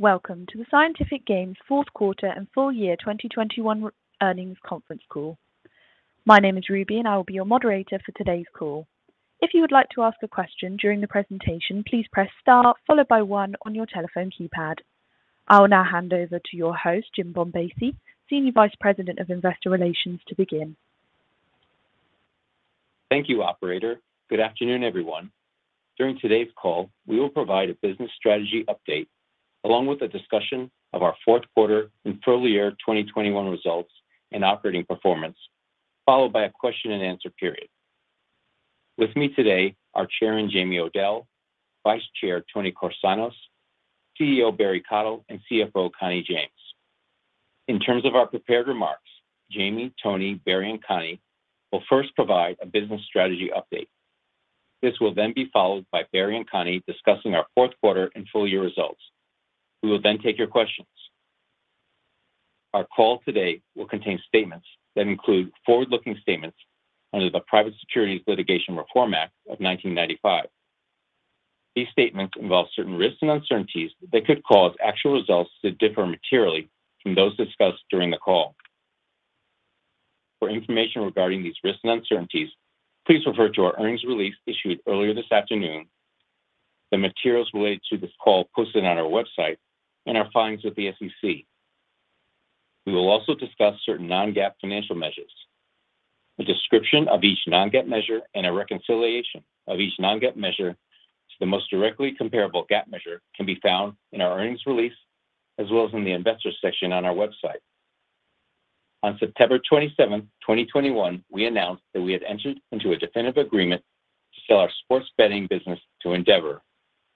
Welcome to the Scientific Games fourth quarter and full year 2021 earnings conference call. My name is Ruby, and I will be your moderator for today's call. If you would like to ask a question during the presentation, please press star followed by 1 on your telephone keypad. I will now hand over to your host, Jim Bombassei, Senior Vice President of Investor Relations, to begin. Thank you, operator. Good afternoon, everyone. During today's call, we will provide a business strategy update, along with a discussion of our fourth quarter and full year 2021 results and operating performance, followed by a question-and-answer period. With me today are Chairman Jamie Odell, Vice Chair Toni Korsanos, CEO Barry Cottle, and CFO Connie James. In terms of our prepared remarks, Jamie, Toni, Barry, and Connie will first provide a business strategy update. This will then be followed by Barry and Connie discussing our fourth quarter and full year results. We will then take your questions. Our call today will contain statements that include forward-looking statements under the Private Securities Litigation Reform Act of 1995. These statements involve certain risks and uncertainties that could cause actual results to differ materially from those discussed during the call. For information regarding these risks and uncertainties, please refer to our earnings release issued earlier this afternoon, the materials related to this call posted on our website, and our filings with the SEC. We will also discuss certain non-GAAP financial measures. A description of each non-GAAP measure and a reconciliation of each non-GAAP measure to the most directly comparable GAAP measure can be found in our earnings release, as well as in the Investors section on our website. On September 27, 2021, we announced that we had entered into a definitive agreement to sell our sports betting business to Endeavor.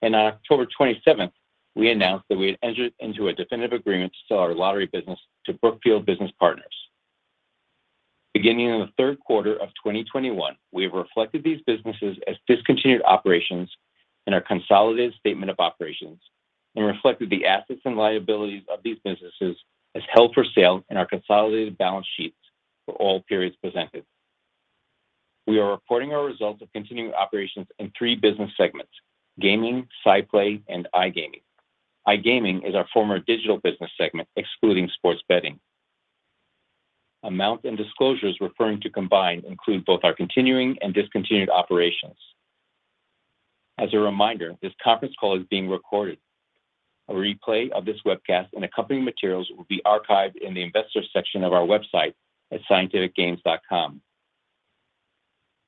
On October 27, we announced that we had entered into a definitive agreement to sell our lottery business to Brookfield Business Partners. Beginning in the third quarter of 2021, we have reflected these businesses as discontinued operations in our consolidated statement of operations and reflected the assets and liabilities of these businesses as held for sale in our consolidated balance sheets for all periods presented. We are reporting our results of continuing operations in three business segments: Gaming, SciPlay, and iGaming. iGaming is our former digital business segment, excluding sports betting. Amounts and disclosures referring to combined include both our continuing and discontinued operations. As a reminder, this conference call is being recorded. A replay of this webcast and accompanying materials will be archived in the Investors section of our website at scientificgames.com.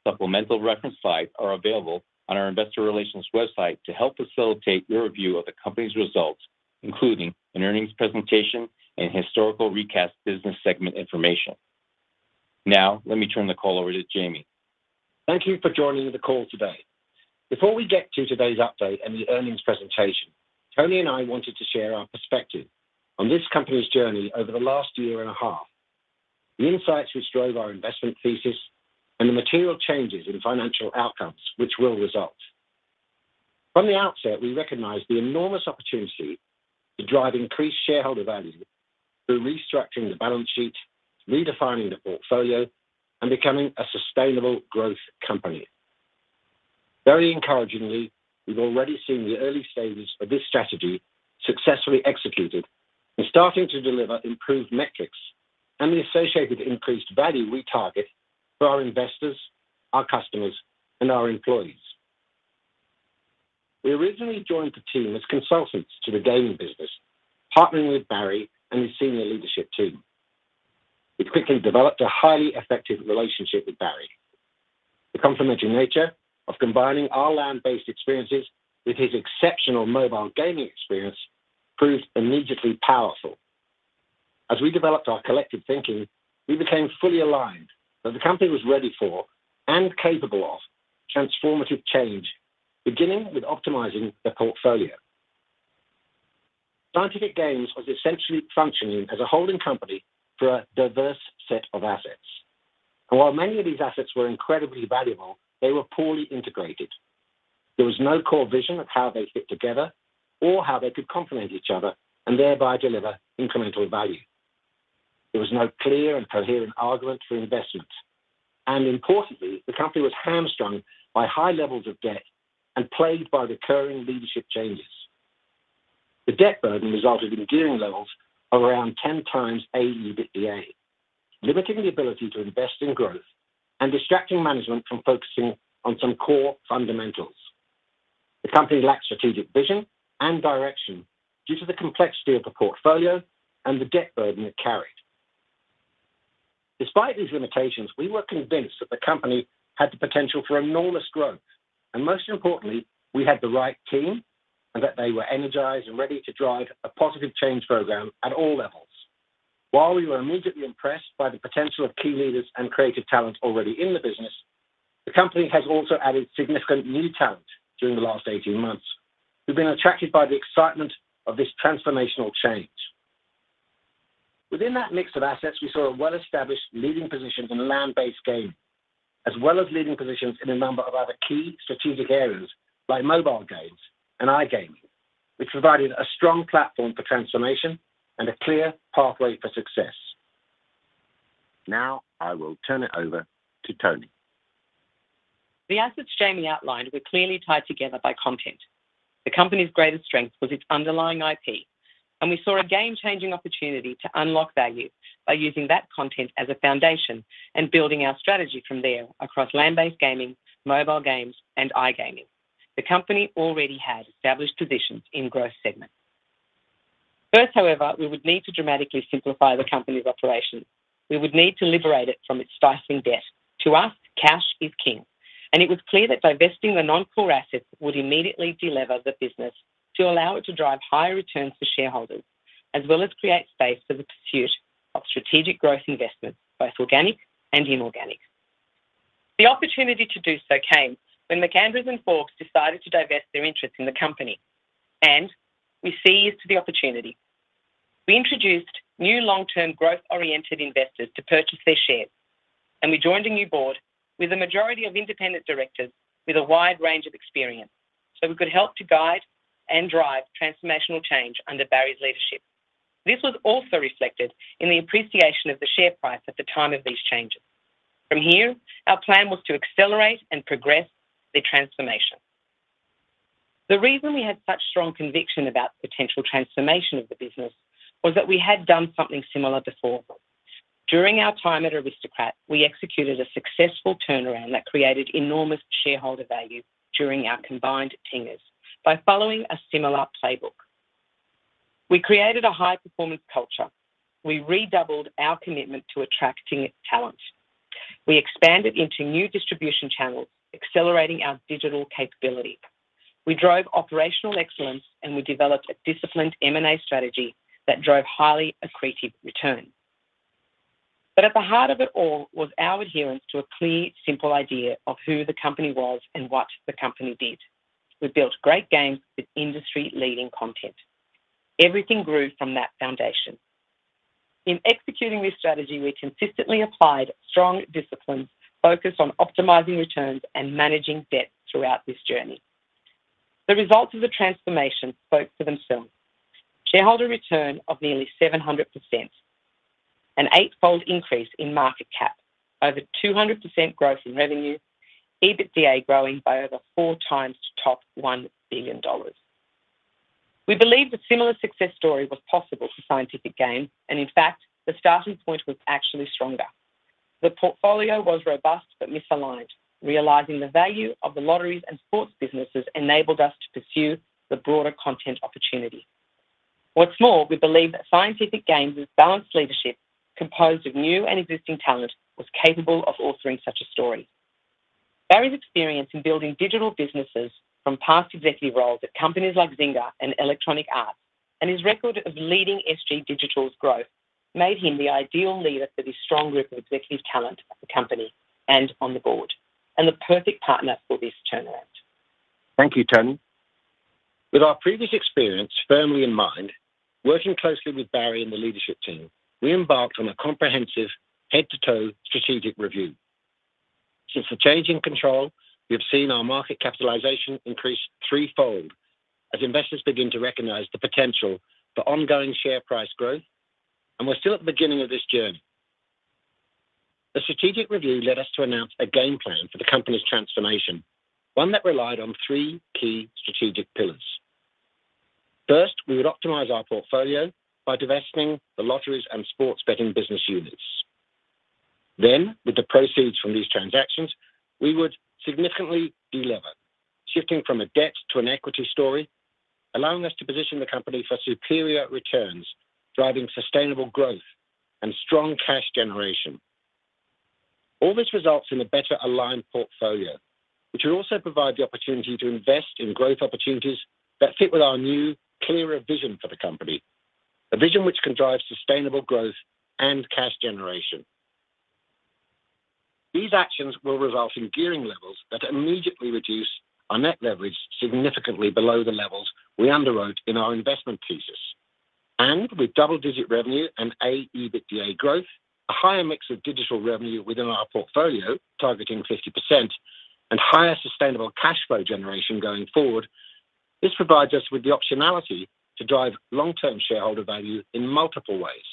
Supplemental reference slides are available on our investor relations website to help facilitate your review of the company's results, including an earnings presentation and historical recast business segment information. Now, let me turn the call over to Jamie. Thank you for joining the call today. Before we get to today's update and the earnings presentation, Toni and I wanted to share our perspective on this company's journey over the last year and a half, the insights which drove our investment thesis, and the material changes in financial outcomes which will result. From the outset, we recognized the enormous opportunity to drive increased shareholder value through restructuring the balance sheet, redefining the portfolio, and becoming a sustainable growth company. Very encouragingly, we've already seen the early stages of this strategy successfully executed and starting to deliver improved metrics and the associated increased value we target for our investors, our customers, and our employees. We originally joined the team as consultants to the gaming business, partnering with Barry and his senior leadership team. We quickly developed a highly effective relationship with Barry. The complementary nature of combining our land-based experiences with his exceptional mobile gaming experience proved immediately powerful. As we developed our collective thinking, we became fully aligned that the company was ready for and capable of transformative change, beginning with optimizing the portfolio. Scientific Games was essentially functioning as a holding company for a diverse set of assets. While many of these assets were incredibly valuable, they were poorly integrated. There was no core vision of how they fit together or how they could complement each other and thereby deliver incremental value. There was no clear and coherent argument for investment. Importantly, the company was hamstrung by high levels of debt and plagued by recurring leadership changes. The debt burden resulted in gearing levels around 10 times Adjusted EBITDA, limiting the ability to invest in growth and distracting management from focusing on some core fundamentals. The company lacked strategic vision and direction due to the complexity of the portfolio and the debt burden it carried. Despite these limitations, we were convinced that the company had the potential for enormous growth, and most importantly, we had the right team and that they were energized and ready to drive a positive change program at all levels. While we were immediately impressed by the potential of key leaders and creative talent already in the business, the company has also added significant new talent during the last 18 months, who've been attracted by the excitement of this transformational change. Within that mix of assets, we saw a well-established leading position in land-based gaming, as well as leading positions in a number of other key strategic areas like mobile games and iGaming, which provided a strong platform for transformation and a clear pathway for success. Now I will turn it over to Toni. The assets Jamie outlined were clearly tied together by content. The company's greatest strength was its underlying IP, and we saw a game-changing opportunity to unlock value by using that content as a foundation and building our strategy from there across land-based gaming, mobile games and iGaming. The company already had established positions in growth segments. First, however, we would need to dramatically simplify the company's operations. We would need to liberate it from its stifling debt. To us, cash is king, and it was clear that divesting the non-core assets would immediately de-lever the business to allow it to drive higher returns for shareholders, as well as create space for the pursuit of strategic growth investments, both organic and inorganic. The opportunity to do so came when MacAndrews & Forbes decided to divest their interest in the company, and we seized the opportunity. We introduced new long-term growth-oriented investors to purchase their shares, and we joined a new board with a majority of independent directors with a wide range of experience, so we could help to guide and drive transformational change under Barry's leadership. This was also reflected in the appreciation of the share price at the time of these changes. From here, our plan was to accelerate and progress the transformation. The reason we had such strong conviction about the potential transformation of the business was that we had done something similar before. During our time at Aristocrat, we executed a successful turnaround that created enormous shareholder value during our combined tenures by following a similar playbook. We created a high-performance culture. We redoubled our commitment to attracting talent. We expanded into new distribution channels, accelerating our digital capability. We drove operational excellence, and we developed a disciplined M&A strategy that drove highly accretive return. At the heart of it all was our adherence to a clear, simple idea of who the company was and what the company did. We built great games with industry-leading content. Everything grew from that foundation. In executing this strategy, we consistently applied strong disciplines focused on optimizing returns and managing debt throughout this journey. The results of the transformation spoke for themselves. Shareholder return of nearly 700%. An eight-fold increase in market cap. Over 200% growth in revenue. EBITDA growing by over 4 times to top $1 billion. We believe a similar success story was possible for Scientific Games, and in fact, the starting point was actually stronger. The portfolio was robust but misaligned. Realizing the value of the lotteries and sports businesses enabled us to pursue the broader content opportunity. What's more, we believe that Scientific Games' balanced leadership, composed of new and existing talent, was capable of authoring such a story. Barry's experience in building digital businesses from past executive roles at companies like Zynga and Electronic Arts, and his record of leading SG Digital's growth, made him the ideal leader for this strong group of executive talent at the company and on the board, and the perfect partner for this turnaround. Thank you, Toni. With our previous experience firmly in mind, working closely with Barry and the leadership team, we embarked on a comprehensive head-to-toe strategic review. Since the change in control, we have seen our market capitalization increase threefold as investors begin to recognize the potential for ongoing share price growth, and we're still at the beginning of this journey. The strategic review led us to announce a game plan for the company's transformation, one that relied on three key strategic pillars. First, we would optimize our portfolio by divesting the lotteries and sports betting business units. Then, with the proceeds from these transactions, we would significantly de-lever, shifting from a debt to an equity story, allowing us to position the company for superior returns, driving sustainable growth and strong cash generation. All this results in a better aligned portfolio, which will also provide the opportunity to invest in growth opportunities that fit with our new, clearer vision for the company, a vision which can drive sustainable growth and cash generation. These actions will result in gearing levels that immediately reduce our net leverage significantly below the levels we underwrote in our investment thesis. With double-digit revenue and Adjusted EBITDA growth, a higher mix of digital revenue within our portfolio targeting 50% and higher sustainable cash flow generation going forward, this provides us with the optionality to drive long-term shareholder value in multiple ways.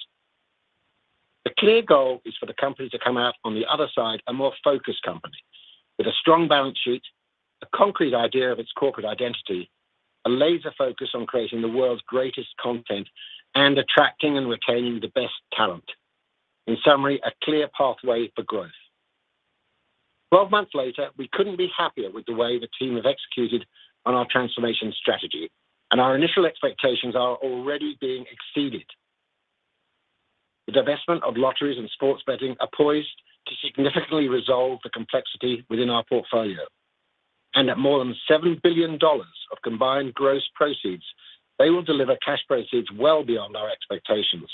The clear goal is for the company to come out on the other side a more focused company with a strong balance sheet, a concrete idea of its corporate identity, a laser focus on creating the world's greatest content, and attracting and retaining the best talent. In summary, a clear pathway for growth. 12 months later, we couldn't be happier with the way the team have executed on our transformation strategy, and our initial expectations are already being exceeded. The divestment of lotteries and sports betting are poised to significantly resolve the complexity within our portfolio. At more than $7 billion of combined gross proceeds, they will deliver cash proceeds well beyond our expectations.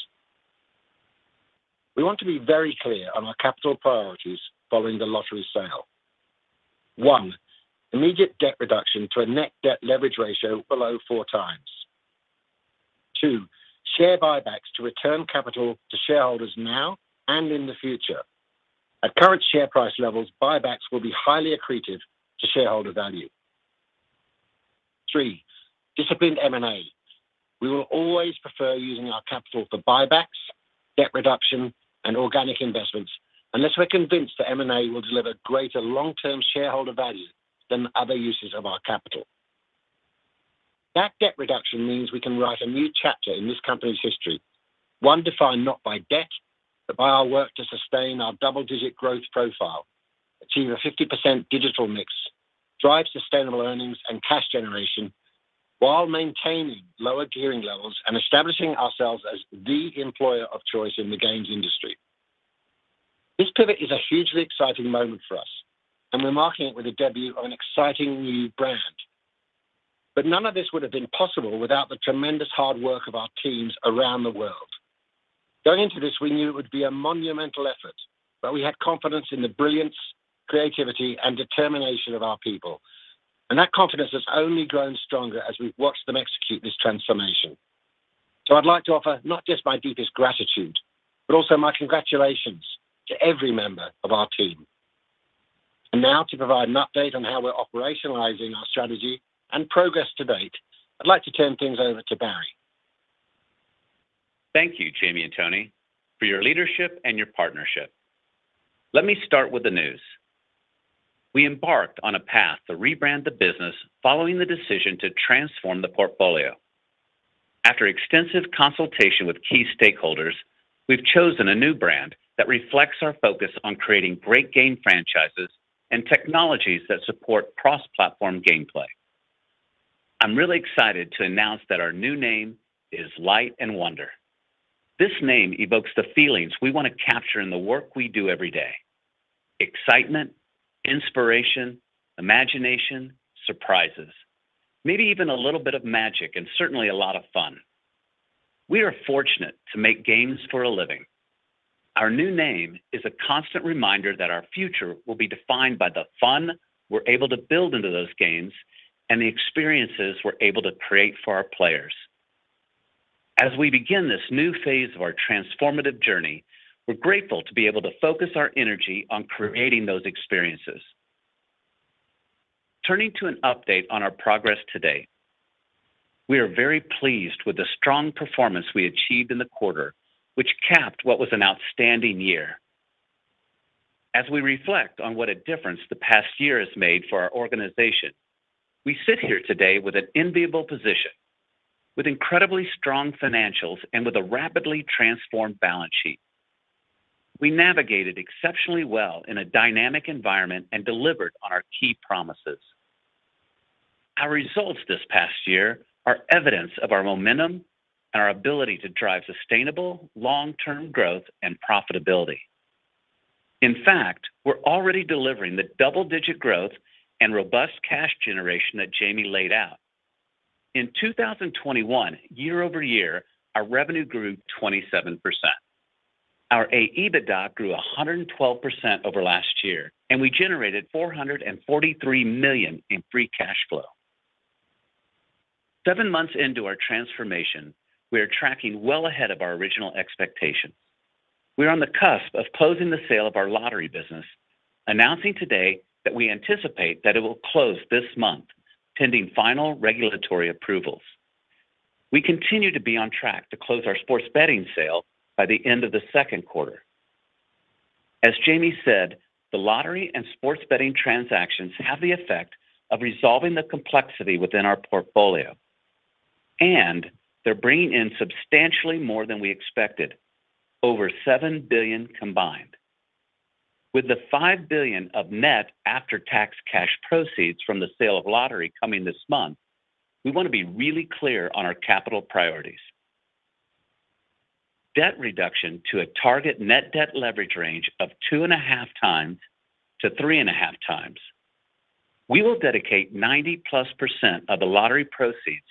We want to be very clear on our capital priorities following the lottery sale. One, immediate debt reduction to a net debt leverage ratio below four times. Two, share buybacks to return capital to shareholders now and in the future. At current share price levels, buybacks will be highly accretive to shareholder value. Three, disciplined M&A. We will always prefer using our capital for buybacks, debt reduction and organic investments, unless we're convinced that M&A will deliver greater long-term shareholder value than other uses of our capital. That debt reduction means we can write a new chapter in this company's history. One defined not by debt, but by our work to sustain our double-digit growth profile, achieve a 50% digital mix, drive sustainable earnings and cash generation while maintaining lower gearing levels and establishing ourselves as the employer of choice in the games industry. This pivot is a hugely exciting moment for us, and we're marking it with a debut of an exciting new brand. None of this would have been possible without the tremendous hard work of our teams around the world. Going into this, we knew it would be a monumental effort, but we had confidence in the brilliance, creativity and determination of our people, and that confidence has only grown stronger as we've watched them execute this transformation. I'd like to offer not just my deepest gratitude, but also my congratulations to every member of our team. Now to provide an update on how we're operationalizing our strategy and progress to date, I'd like to turn things over to Barry. Thank you, Jamie and Toni, for your leadership and your partnership. Let me start with the news. We embarked on a path to rebrand the business following the decision to transform the portfolio. After extensive consultation with key stakeholders, we've chosen a new brand that reflects our focus on creating great game franchises and technologies that support cross-platform gameplay. I'm really excited to announce that our new name is Light & Wonder. This name evokes the feelings we want to capture in the work we do every day. Excitement, inspiration, imagination, surprises, maybe even a little bit of magic, and certainly a lot of fun. We are fortunate to make games for a living. Our new name is a constant reminder that our future will be defined by the fun we're able to build into those games and the experiences we're able to create for our players. As we begin this new phase of our transformative journey, we're grateful to be able to focus our energy on creating those experiences. Turning to an update on our progress today. We are very pleased with the strong performance we achieved in the quarter, which capped what was an outstanding year. As we reflect on what a difference the past year has made for our organization, we sit here today with an enviable position, with incredibly strong financials, and with a rapidly transformed balance sheet. We navigated exceptionally well in a dynamic environment and delivered on our key promises. Our results this past year are evidence of our momentum and our ability to drive sustainable long-term growth and profitability. In fact, we're already delivering the double-digit growth and robust cash generation that Jamie laid out. In 2021, year-over-year, our revenue grew 27%. Our Adjusted EBITDA grew 112% over last year, and we generated $443 million in free cash flow. Seven months into our transformation, we are tracking well ahead of our original expectations. We are on the cusp of closing the sale of our lottery business, announcing today that we anticipate that it will close this month, pending final regulatory approvals. We continue to be on track to close our sports betting sale by the end of the second quarter. As Jamie said, the lottery and sports betting transactions have the effect of resolving the complexity within our portfolio. They're bringing in substantially more than we expected, over $7 billion combined. With the $5 billion of net after-tax cash proceeds from the sale of lottery coming this month, we want to be really clear on our capital priorities. Debt reduction to a target net debt leverage range of 2.5 times-3.5 times. We will dedicate 90%+ of the lottery proceeds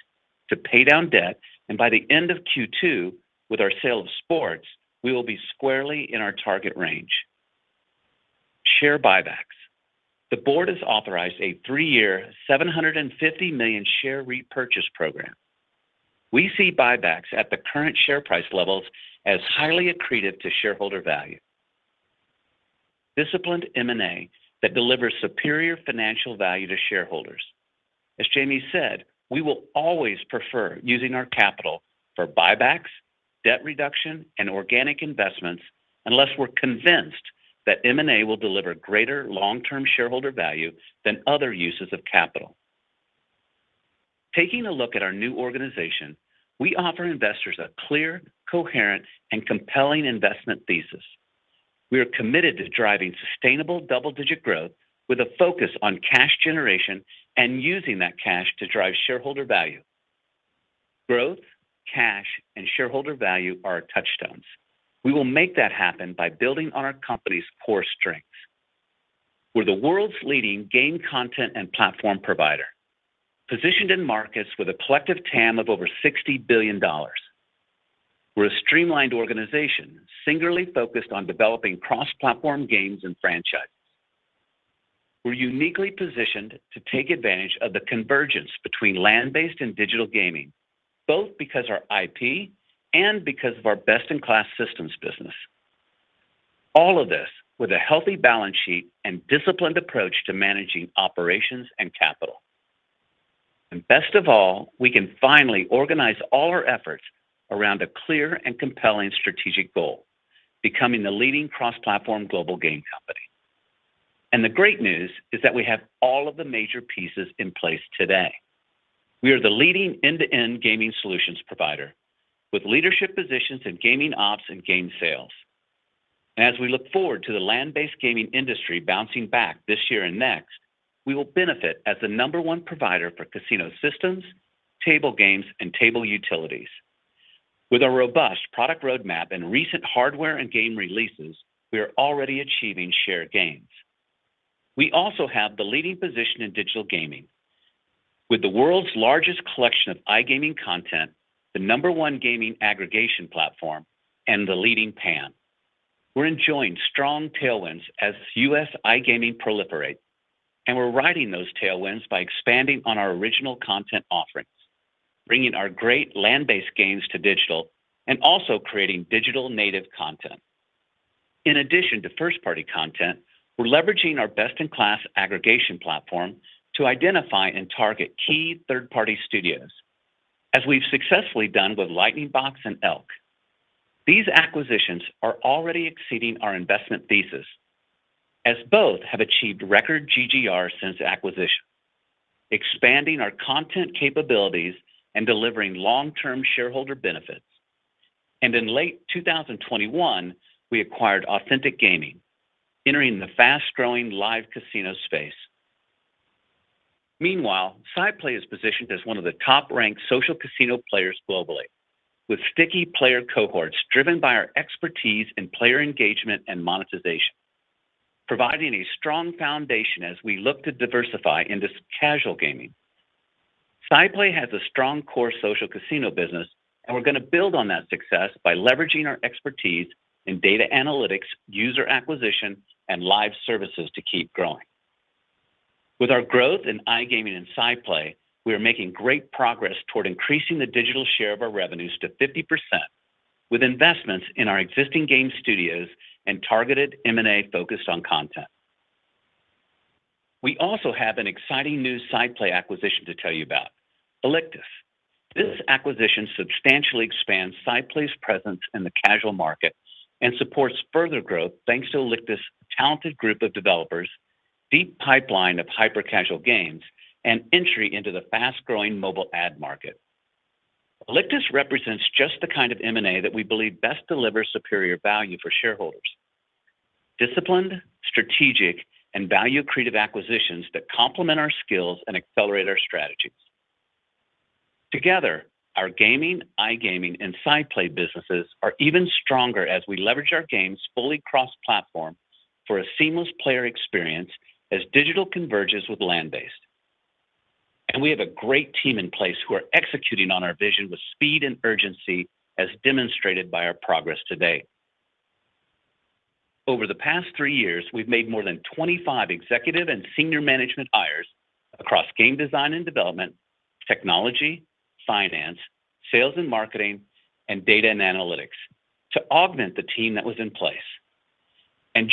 to pay down debt, and by the end of Q2, with our sale of sports, we will be squarely in our target range. Share buybacks. The board has authorized a three-year, $750 million share repurchase program. We see buybacks at the current share price levels as highly accretive to shareholder value. Disciplined M&A that delivers superior financial value to shareholders. As Jamie said, we will always prefer using our capital for buybacks, debt reduction and organic investments unless we're convinced that M&A will deliver greater long-term shareholder value than other uses of capital. Taking a look at our new organization, we offer investors a clear, coherent and compelling investment thesis. We are committed to driving sustainable double-digit growth with a focus on cash generation and using that cash to drive shareholder value. Growth, cash and shareholder value are our touchstones. We will make that happen by building on our company's core strengths. We're the world's leading game content and platform provider, positioned in markets with a collective TAM of over $60 billion. We're a streamlined organization singularly focused on developing cross-platform games and franchises. We're uniquely positioned to take advantage of the convergence between land-based and digital gaming, both because our IP and because of our best-in-class systems business. All of this with a healthy balance sheet and disciplined approach to managing operations and capital. And best of all, we can finally organize all our efforts around a clear and compelling strategic goal, becoming the leading cross-platform global game company. The great news is that we have all of the major pieces in place today. We are the leading end-to-end gaming solutions provider with leadership positions in gaming ops and game sales. As we look forward to the land-based gaming industry bouncing back this year and next, we will benefit as the number one provider for casino systems, table games, and table utilities. With a robust product roadmap and recent hardware and game releases, we are already achieving shared gains. We also have the leading position in digital gaming. With the world's largest collection of iGaming content, the number one gaming aggregation platform, and the leading PAM. We're enjoying strong tailwinds as U.S. iGaming proliferates, and we're riding those tailwinds by expanding on our original content offerings, bringing our great land-based games to digital, and also creating digital-native content. In addition to first-party content, we're leveraging our best-in-class aggregation platform to identify and target key third-party studios, as we've successfully done with Lightning Box and ELK. These acquisitions are already exceeding our investment thesis, as both have achieved record GGR since acquisition, expanding our content capabilities and delivering long-term shareholder benefits. In late 2021, we acquired Authentic Gaming, entering the fast-growing live casino space. Meanwhile, SciPlay is positioned as one of the top-ranked social casino players globally, with sticky player cohorts driven by our expertise in player engagement and monetization, providing a strong foundation as we look to diversify into casual gaming. SciPlay has a strong core social casino business, and we're going to build on that success by leveraging our expertise in data analytics, user acquisition, and live services to keep growing. With our growth in iGaming and SciPlay, we are making great progress toward increasing the digital share of our revenues to 50% with investments in our existing game studios and targeted M&A focused on content. We also have an exciting new SciPlay acquisition to tell you about, Alictus. This acquisition substantially expands SciPlay's presence in the casual market and supports further growth thanks to Alictus' talented group of developers, deep pipeline of hyper-casual games, and entry into the fast-growing mobile ad market. Alictus represents just the kind of M&A that we believe best delivers superior value for shareholders, disciplined, strategic, and value-creative acquisitions that complement our skills and accelerate our strategies. Together, our gaming, iGaming, and SciPlay businesses are even stronger as we leverage our games fully cross-platform for a seamless player experience as digital converges with land-based. We have a great team in place who are executing on our vision with speed and urgency as demonstrated by our progress to date. Over the past three years, we've made more than 25 executive and senior management hires across game design and development, technology, finance, sales and marketing, and data and analytics to augment the team that was in place.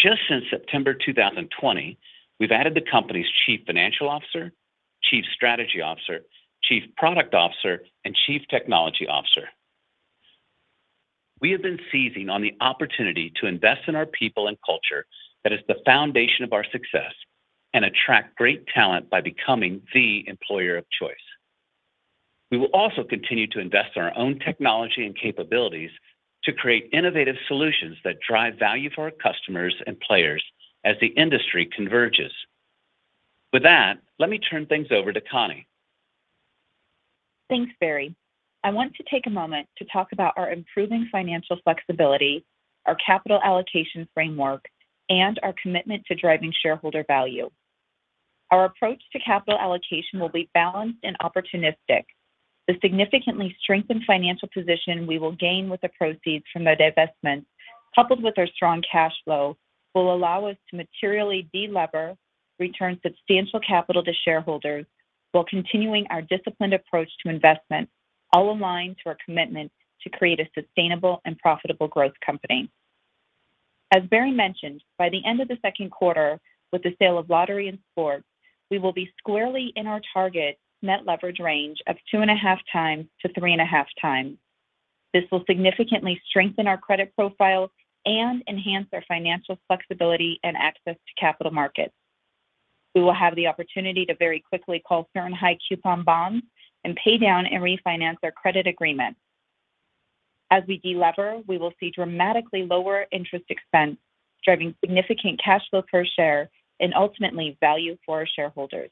Just since September 2020, we've added the company's Chief Financial Officer, Chief Strategy Officer, Chief Product Officer, and Chief Technology Officer. We have been seizing on the opportunity to invest in our people and culture that is the foundation of our success and attract great talent by becoming the employer of choice. We will also continue to invest in our own technology and capabilities to create innovative solutions that drive value for our customers and players as the industry converges. With that, let me turn things over to Connie. Thanks, Barry. I want to take a moment to talk about our improving financial flexibility, our capital allocation framework, and our commitment to driving shareholder value. Our approach to capital allocation will be balanced and opportunistic. The significantly strengthened financial position we will gain with the proceeds from the divestments, coupled with our strong cash flow, will allow us to materially de-lever, return substantial capital to shareholders, while continuing our disciplined approach to investment, all aligned to our commitment to create a sustainable and profitable growth company. As Barry mentioned, by the end of the second quarter with the sale of lottery and sports, we will be squarely in our target net leverage range of 2.5x-3.5x. This will significantly strengthen our credit profile and enhance our financial flexibility and access to capital markets. We will have the opportunity to very quickly call certain high-coupon bonds and pay down and refinance our credit agreements. As we de-lever, we will see dramatically lower interest expense, driving significant cash flow per share and ultimately value for our shareholders.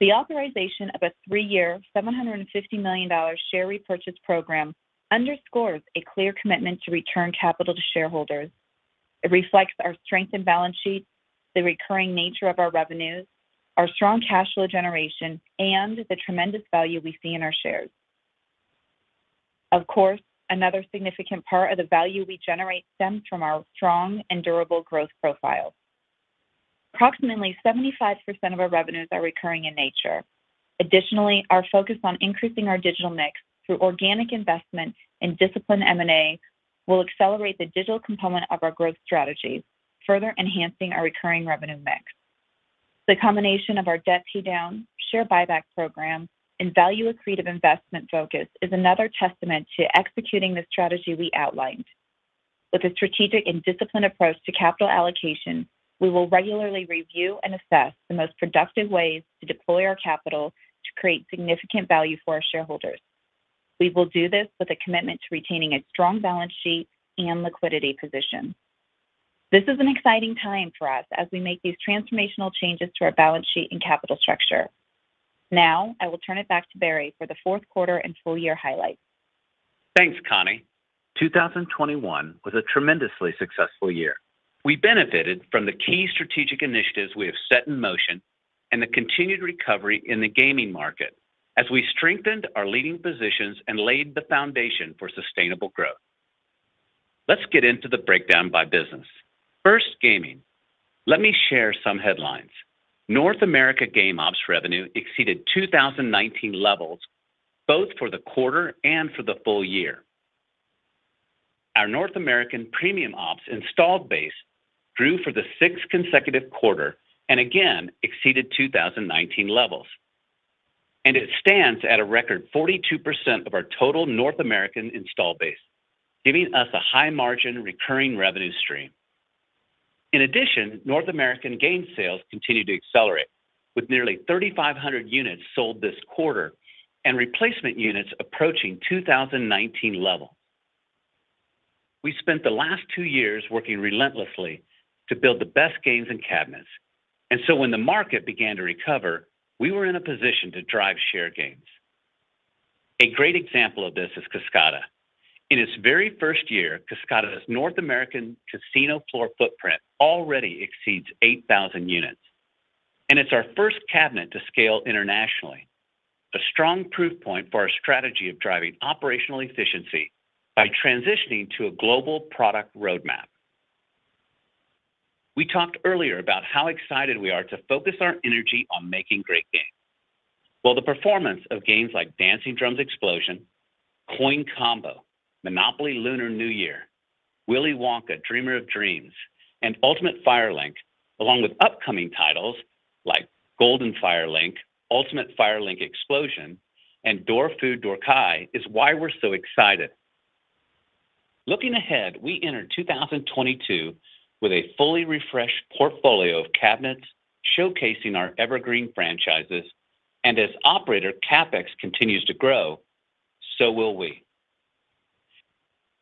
The authorization of a three-year, $750 million share repurchase program underscores a clear commitment to return capital to shareholders. It reflects our strengthened balance sheet, the recurring nature of our revenues, our strong cash flow generation, and the tremendous value we see in our shares. Of course, another significant part of the value we generate stems from our strong and durable growth profile. Approximately 75% of our revenues are recurring in nature. Additionally, our focus on increasing our digital mix through organic investment and disciplined M&A will accelerate the digital component of our growth strategy, further enhancing our recurring revenue mix. The combination of our debt pay down, share buyback program, and value accretive investment focus is another testament to executing the strategy we outlined. With a strategic and disciplined approach to capital allocation, we will regularly review and assess the most productive ways to deploy our capital to create significant value for our shareholders. We will do this with a commitment to retaining a strong balance sheet and liquidity position. This is an exciting time for us as we make these transformational changes to our balance sheet and capital structure. Now, I will turn it back to Barry for the fourth quarter and full year highlights. Thanks, Connie. 2021 was a tremendously successful year. We benefited from the key strategic initiatives we have set in motion and the continued recovery in the gaming market as we strengthened our leading positions and laid the foundation for sustainable growth. Let's get into the breakdown by business. First, gaming. Let me share some headlines. North America game ops revenue exceeded 2019 levels both for the quarter and for the full year. Our North American premium ops installed base grew for the sixth consecutive quarter, and again exceeded 2019 levels. It stands at a record 42% of our total North American install base, giving us a high-margin recurring revenue stream. In addition, North American game sales continued to accelerate with nearly 3,500 units sold this quarter and replacement units approaching 2019 level. We spent the last two years working relentlessly to build the best games and cabinets, and so when the market began to recover, we were in a position to drive share gains. A great example of this is Kascada. In its very first year, Kascada's North American casino floor footprint already exceeds 8,000 units, and it's our first cabinet to scale internationally. A strong proof point for our strategy of driving operational efficiency by transitioning to a global product roadmap. We talked earlier about how excited we are to focus our energy on making great games. Well, the performance of games like Dancing Drums Explosion, Coin Combo, Monopoly Lunar New Year, Willy Wonka Dreamer of Dreams, and Ultimate Fire Link, along with upcoming titles like Golden Fire Link, Ultimate Fire Link Explosion, and Dorf der Drachen is why we're so excited. Looking ahead, we enter 2022 with a fully refreshed portfolio of cabinets showcasing our evergreen franchises, and as operator CapEx continues to grow, so will we.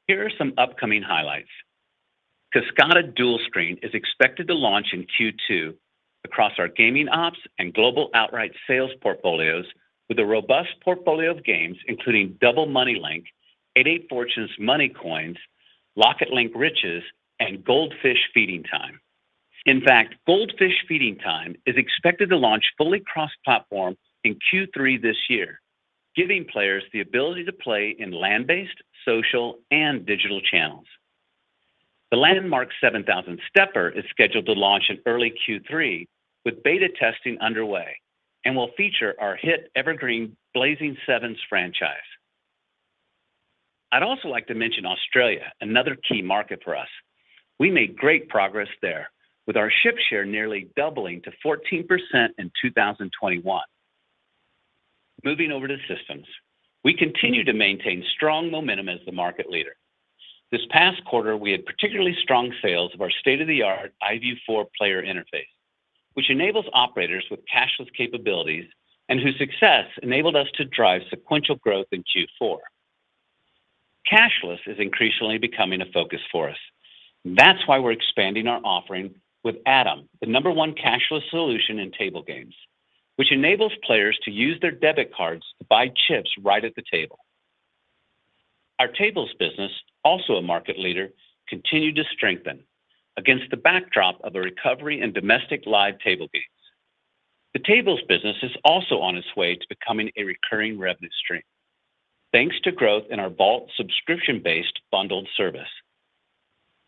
Here are some upcoming highlights. Kascada Dual Screen is expected to launch in Q2 across our gaming ops and global outright sales portfolios with a robust portfolio of games, including Double Money Link, 88 Fortunes Money Coins, Lock It Link Riches, and Goldfish Feeding Time. In fact, Goldfish Feeding Time is expected to launch fully cross-platform in Q3 this year, giving players the ability to play in land-based, social, and digital channels. The Landmark 7000 stepper is scheduled to launch in early Q3 with beta testing underway and will feature our hit evergreen Blazing Sevens franchise. I'd also like to mention Australia, another key market for us. We made great progress there with our ship share nearly doubling to 14% in 2021. Moving over to systems, we continue to maintain strong momentum as the market leader. This past quarter, we had particularly strong sales of our state-of-the-art iVIEW 4 player interface, which enables operators with cashless capabilities and whose success enabled us to drive sequential growth in Q4. Cashless is increasingly becoming a focus for us. That's why we're expanding our offering with AToM, the No. 1 cashless solution in table games, which enables players to use their debit cards to buy chips right at the table. Our tables business, also a market leader, continued to strengthen against the backdrop of a recovery in domestic live table games. The tables business is also on its way to becoming a recurring revenue stream, thanks to growth in our Vault subscription-based bundled service.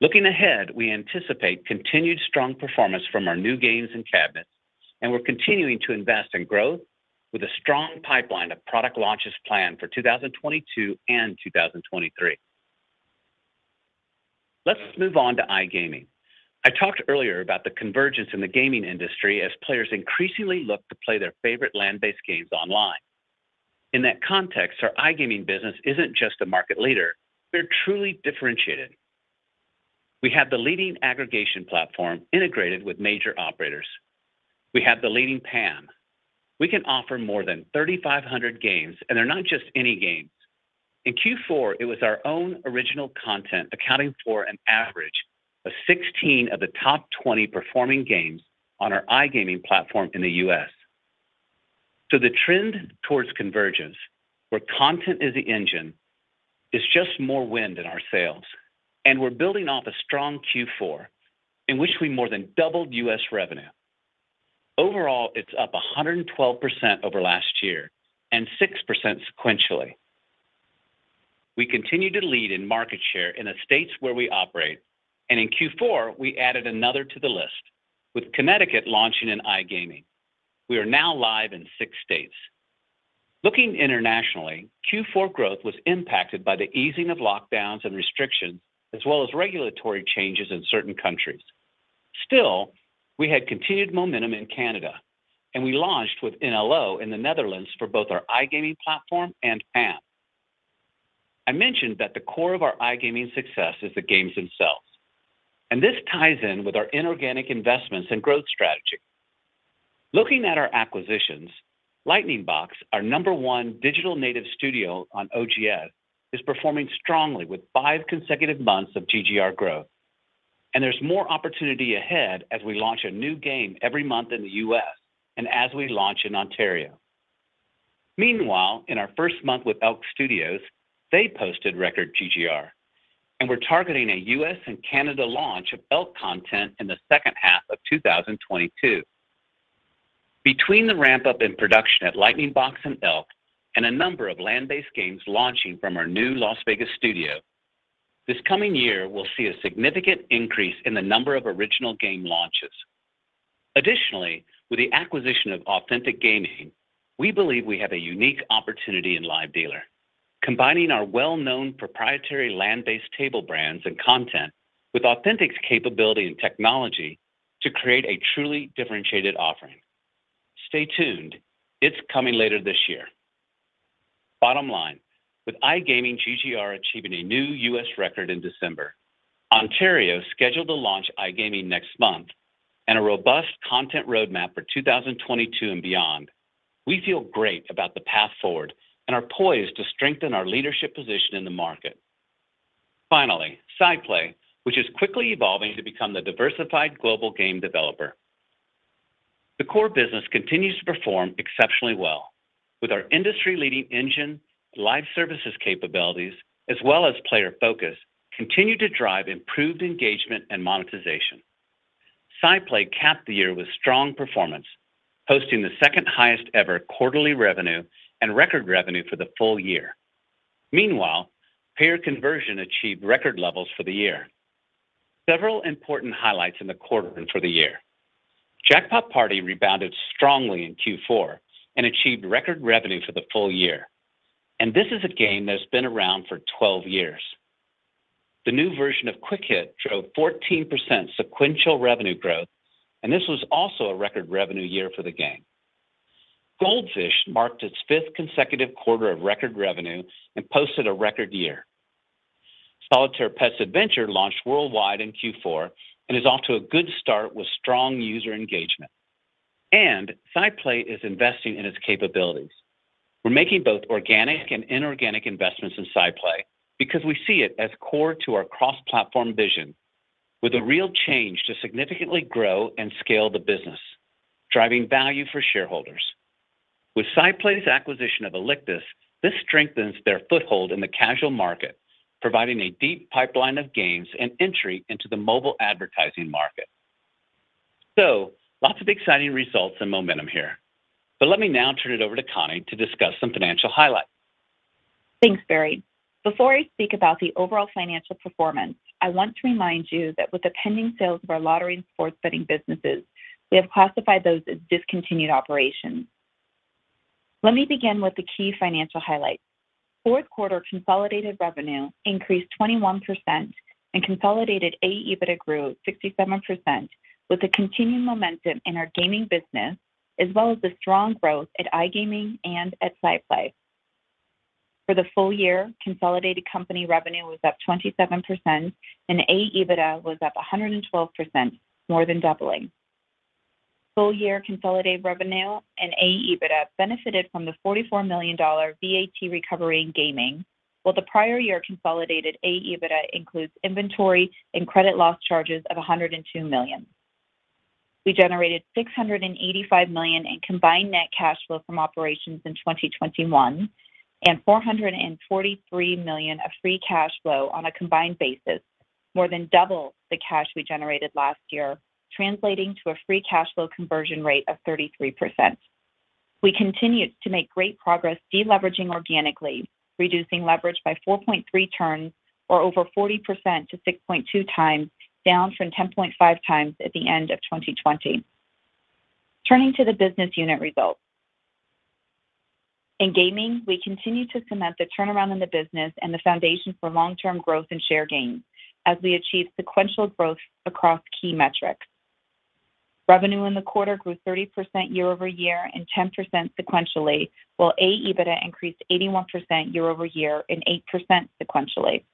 Looking ahead, we anticipate continued strong performance from our new games and cabinets, and we're continuing to invest in growth with a strong pipeline of product launches planned for 2022 and 2023. Let's move on to iGaming. I talked earlier about the convergence in the gaming industry as players increasingly look to play their favorite land-based games online. In that context, our iGaming business isn't just a market leader, they're truly differentiated. We have the leading aggregation platform integrated with major operators. We have the leading PAM. We can offer more than 3,500 games, and they're not just any games. In Q4, it was our own original content accounting for an average of 16 of the top 20 performing games on our iGaming platform in the U.S. The trend towards convergence, where content is the engine, is just more wind in our sails, and we're building off a strong Q4 in which we more than doubled U.S. revenue. Overall, it's up 112% over last year and 6% sequentially. We continue to lead in market share in the states where we operate, and in Q4 we added another to the list, with Connecticut launching in iGaming. We are now live in six states. Looking internationally, Q4 growth was impacted by the easing of lockdowns and restrictions as well as regulatory changes in certain countries. Still, we had continued momentum in Canada, and we launched with NLO in the Netherlands for both our iGaming platform and FAN. I mentioned that the core of our iGaming success is the games themselves, and this ties in with our inorganic investments and growth strategy. Looking at our acquisitions, Lightning Box, our number one digital native studio on OGS, is performing strongly with five consecutive months of TGR growth. There's more opportunity ahead as we launch a new game every month in the U.S. and as we launch in Ontario. Meanwhile, in our first month with ELK Studios, they posted record TGR, and we're targeting a U.S. and Canada launch of ELK content in the second half of 2022. Between the ramp-up in production at Lightning Box and ELK and a number of land-based games launching from our new Las Vegas studio, this coming year will see a significant increase in the number of original game launches. Additionally, with the acquisition of Authentic Gaming, we believe we have a unique opportunity in live dealer, combining our well-known proprietary land-based table brands and content with Authentic's capability and technology to create a truly differentiated offering. Stay tuned. It's coming later this year. Bottom line, with iGaming TGR achieving a new U.S. record in December, Ontario scheduled to launch iGaming next month, and a robust content roadmap for 2022 and beyond, we feel great about the path forward and are poised to strengthen our leadership position in the market. Finally, SciPlay, which is quickly evolving to become the diversified global game developer. The core business continues to perform exceptionally well with our industry-leading engine, live services capabilities, as well as player focus, continue to drive improved engagement and monetization. SciPlay capped the year with strong performance, posting the second-highest-ever quarterly revenue and record revenue for the full year. Meanwhile, payer conversion achieved record levels for the year. Several important highlights in the quarter and for the year. Jackpot Party rebounded strongly in Q4 and achieved record revenue for the full year. This is a game that's been around for 12 years. The new version of Quick Hit drove 14% sequential revenue growth, and this was also a record revenue year for the game. Goldfish marked its fifth consecutive quarter of record revenue and posted a record year. Solitaire Pets Adventure launched worldwide in Q4 and is off to a good start with strong user engagement. SciPlay is investing in its capabilities. We're making both organic and inorganic investments in SciPlay because we see it as core to our cross-platform vision with a real change to significantly grow and scale the business, driving value for shareholders. With SciPlay's acquisition of Alictus, this strengthens their foothold in the casual market, providing a deep pipeline of games and entry into the mobile advertising market. Lots of exciting results and momentum here. Let me now turn it over to Connie to discuss some financial highlights. Thanks, Barry. Before I speak about the overall financial performance, I want to remind you that with the pending sales of our lottery and sports betting businesses, we have classified those as discontinued operations. Let me begin with the key financial highlights. Fourth quarter consolidated revenue increased 21% and consolidated Adjusted EBITDA grew 67% with the continued momentum in our gaming business as well as the strong growth at iGaming and at SciPlay. For the full year, consolidated company revenue was up 27% and Adjusted EBITDA was up 112%, more than doubling. Full-year consolidated revenue and Adjusted EBITDA benefited from the $44 million VAT recovery in gaming, while the prior-year consolidated Adjusted EBITDA includes inventory and credit loss charges of $102 million. We generated $685 million in combined net cash flow from operations in 2021 and $443 million of free cash flow on a combined basis, more than double the cash we generated last year, translating to a free cash flow conversion rate of 33%. We continued to make great progress deleveraging organically, reducing leverage by 4.3 turns or over 40% to 6.2 times, down from 10.5 times at the end of 2020. Turning to the business unit results. In Gaming, we continued to cement the turnaround in the business and the foundation for long-term growth and share gains as we achieved sequential growth across key metrics. Revenue in the quarter grew 30% year-over-year and 10% sequentially, while Adjusted EBITDA increased 81% year-over-year and 8% sequentially.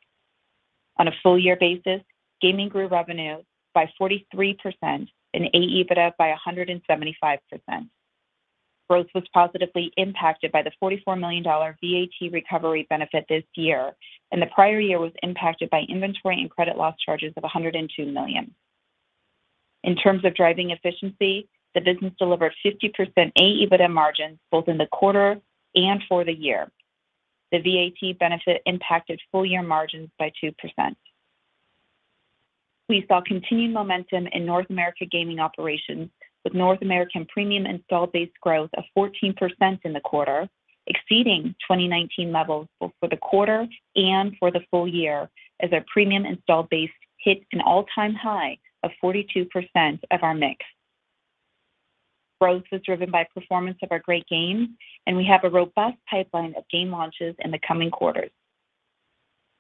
On a full-year basis, gaming grew revenue by 43% and Adjusted EBITDA by 175%. Growth was positively impacted by the $44 million VAT recovery benefit this year, and the prior year was impacted by inventory and credit loss charges of $102 million. In terms of driving efficiency, the business delivered 50% Adjusted EBITDA margins both in the quarter and for the year. The VAT benefit impacted full-year margins by 2%. We saw continued momentum in North America gaming operations with North American premium installed base growth of 14% in the quarter, exceeding 2019 levels both for the quarter and for the full year as our premium installed base hit an all-time high of 42% of our mix. Growth was driven by performance of our great games, and we have a robust pipeline of game launches in the coming quarters.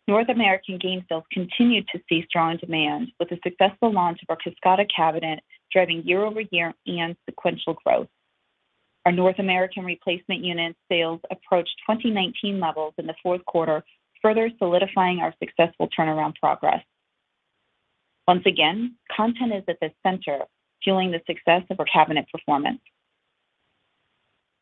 North American game sales continued to see strong demand with the successful launch of our Kascada cabinet, driving year-over-year and sequential growth. Our North American replacement unit sales approached 2019 levels in the fourth quarter, further solidifying our successful turnaround progress. Once again, content is at the center, fueling the success of our cabinet performance.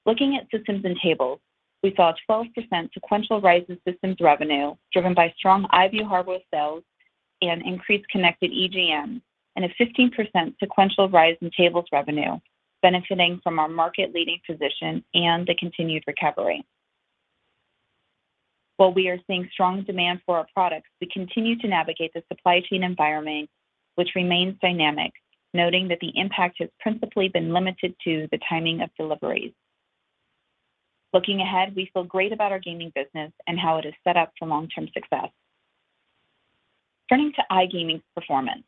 Looking at systems and tables, we saw a 12% sequential rise in systems revenue, driven by strong iVIEW Harbor sales and increased connected EGMs, and a 15% sequential rise in tables revenue, benefiting from our market-leading position and the continued recovery. While we are seeing strong demand for our products, we continue to navigate the supply chain environment which remains dynamic, noting that the impact has principally been limited to the timing of deliveries. Looking ahead, we feel great about our gaming business and how it is set up for long-term success. Turning to iGaming's performance.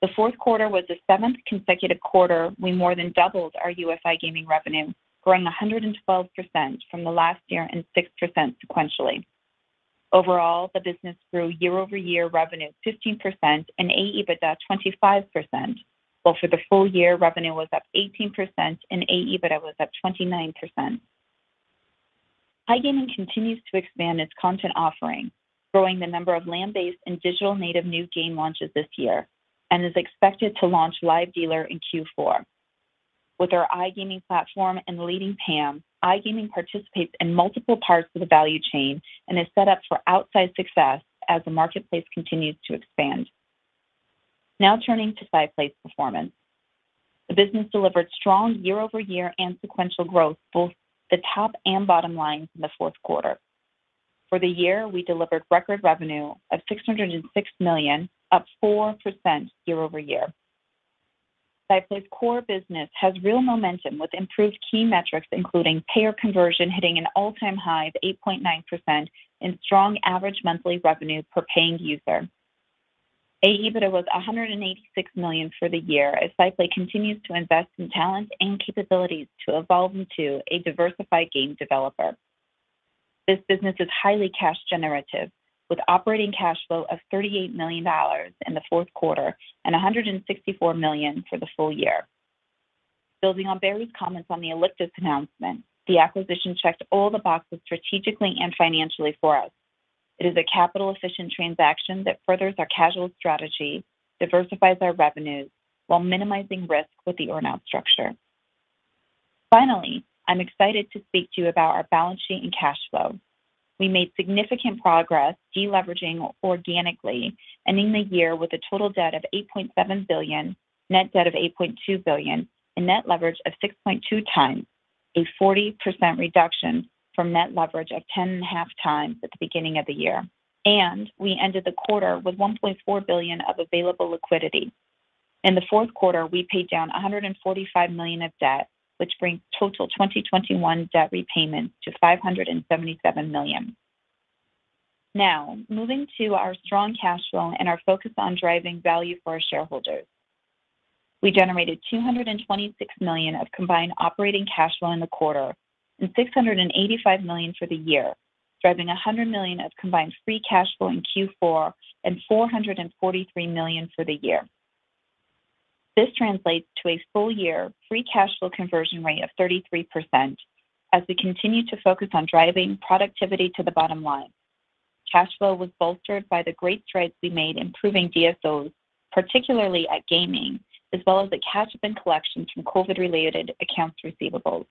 The fourth quarter was the seventh consecutive quarter we more than doubled our U.S. iGaming revenue, growing 112% from the last year and 6% sequentially. Overall, the business grew year-over-year revenue 15% and Adjusted EBITDA 25%. For the full-year revenue was up 18% and Adjusted EBITDA was up 29%. iGaming continues to expand its content offering, growing the number of land-based and digital native new game launches this year and is expected to launch live dealer in Q4. With our iGaming platform and leading PAM, iGaming participates in multiple parts of the value chain and is set up for outsized success as the marketplace continues to expand. Now turning to SciPlay's performance. The business delivered strong year-over-year and sequential growth, both the top and bottom line in the fourth quarter. For the year, we delivered record revenue of $606 million, up 4% year-over-year. SciPlay's core business has real momentum with improved key metrics, including payer conversion hitting an all-time high of 8.9% and strong average monthly revenue per paying user. Adjusted EBITDA was $186 million for the year as SciPlay continues to invest in talent and capabilities to evolve into a diversified game developer. This business is highly cash generative with operating cash flow of $38 million in the fourth quarter and $164 million for the full year. Building on Barry's comments on the Alictus announcement, the acquisition checked all the boxes strategically and financially for us. It is a capital-efficient transaction that furthers our casual strategy, diversifies our revenues, while minimizing risk with the earn-out structure. Finally, I'm excited to speak to you about our balance sheet and cash flow. We made significant progress deleveraging organically, ending the year with a total debt of $8.7 billion, net debt of $8.2 billion, and net leverage of 6.2x, a 40% reduction from net leverage of 10.5x at the beginning of the year. We ended the quarter with $1.4 billion of available liquidity. In the fourth quarter, we paid down $145 million of debt, which brings total 2021 debt repayment to $577 million. Now, moving to our strong cash flow and our focus on driving value for our shareholders. We generated $226 million of combined operating cash flow in the quarter and $685 million for the year, driving $100 million of combined free cash flow in Q4 and $443 million for the year. This translates to a full-year free cash flow conversion rate of 33% as we continue to focus on driving productivity to the bottom line. Cash flow was bolstered by the great strides we made improving DSOs, particularly at gaming, as well as the catch-up in collection from COVID-related accounts receivables.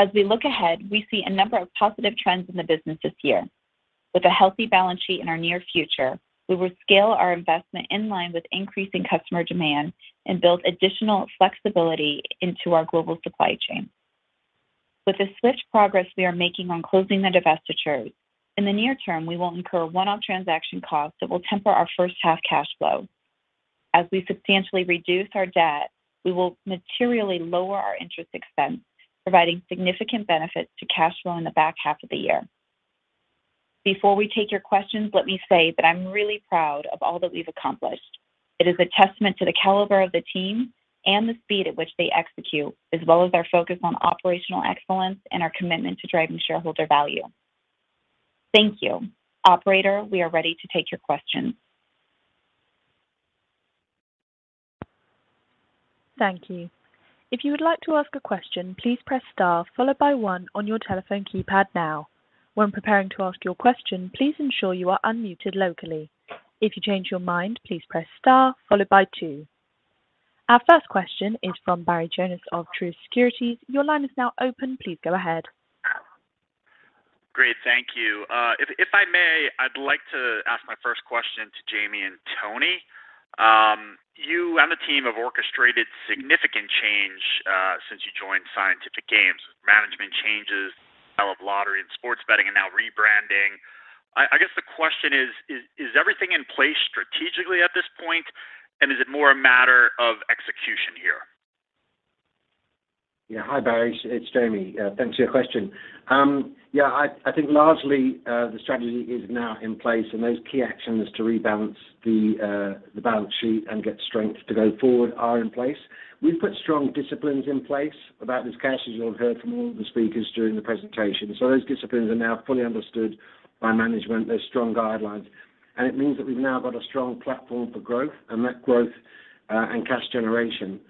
As we look ahead, we see a number of positive trends in the business this year. With a healthy balance sheet in our near future, we will scale our investment in line with increasing customer demand and build additional flexibility into our global supply chain. With the swift progress we are making on closing the divestitures, in the near term, we will incur one-off transaction costs that will temper our first half cash flow. As we substantially reduce our debt, we will materially lower our interest expense, providing significant benefits to cash flow in the back half of the year. Before we take your questions, let me say that I'm really proud of all that we've accomplished. It is a testament to the caliber of the team and the speed at which they execute, as well as our focus on operational excellence and our commitment to driving shareholder value. Thank you. Operator, we are ready to take your questions. Thank you. If you would like to ask a question, please press star followed by one on your telephone keypad now. When preparing to ask your question, please ensure you are unmuted locally. If you change your mind, please press star followed by two. Our first question is from Barry Jonas of Truist Securities. Your line is now open. Please go ahead. Great. Thank you. If I may, I'd like to ask my first question to Jamie and Toni You and the team have orchestrated significant change since you joined Scientific Games. Management changes of lottery and sports betting and now rebranding. I guess the question is everything in place strategically at this point? Is it more a matter of execution here? Hi, Barry. It's Jamie. Thanks for your question. Yeah, I think largely, the strategy is now in place, and those key actions to rebalance the balance sheet and get strength to go forward are in place. We've put strong disciplines in place about this cash, as you'll have heard from all of the speakers during the presentation. So, those disciplines are now fully understood by management. They're strong guidelines. It means that we've now got a strong platform for growth and net growth, and cash generation.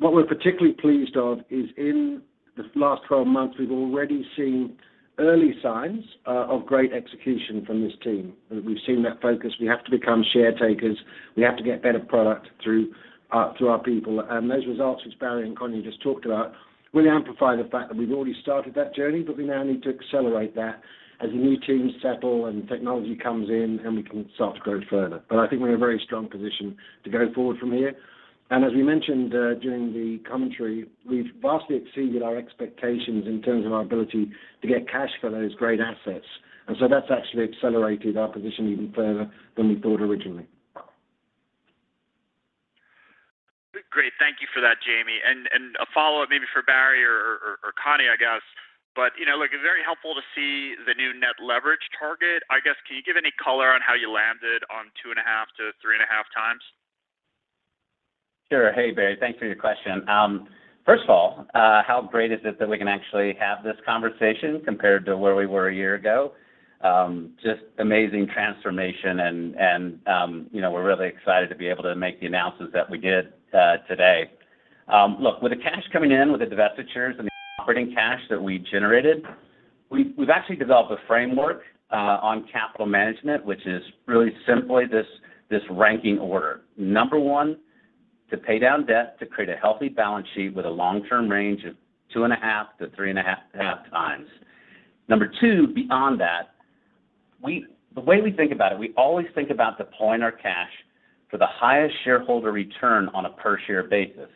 What we're particularly pleased of is in the last 12 months, we've already seen early signs of great execution from this team. We've seen that focus. We have to become share takers. We have to get better product through our people. Those results, which Barry and Connie just talked about, really amplify the fact that we've already started that journey, but we now need to accelerate that as the new teams settle and technology comes in and we can start to grow further. I think we're in a very strong position to go forward from here. As we mentioned, during the commentary, we've vastly exceeded our expectations in terms of our ability to get cash for those great assets. That's actually accelerated our position even further than we thought originally. Great. Thank you for that, Jamie. A follow-up maybe for Barry or Connie, I guess. You know, look, it's very helpful to see the new net leverage target. I guess, can you give any color on how you landed on 2.5-3.5 times? Sure. Hey, Barry. Thanks for your question. First of all, how great is it that we can actually have this conversation compared to where we were a year ago? Just amazing transformation and, you know, we're really excited to be able to make the announcements that we did today. Look, with the cash coming in, with the divestitures and the operating cash that we generated, we've actually developed a framework on capital management, which is really simply this ranking order. Number one, to pay down debt to create a healthy balance sheet with a long-term range of 2.5-3.5 times. Number two, beyond that, the way we think about it, we always think about deploying our cash for the highest shareholder return on a per-share basis.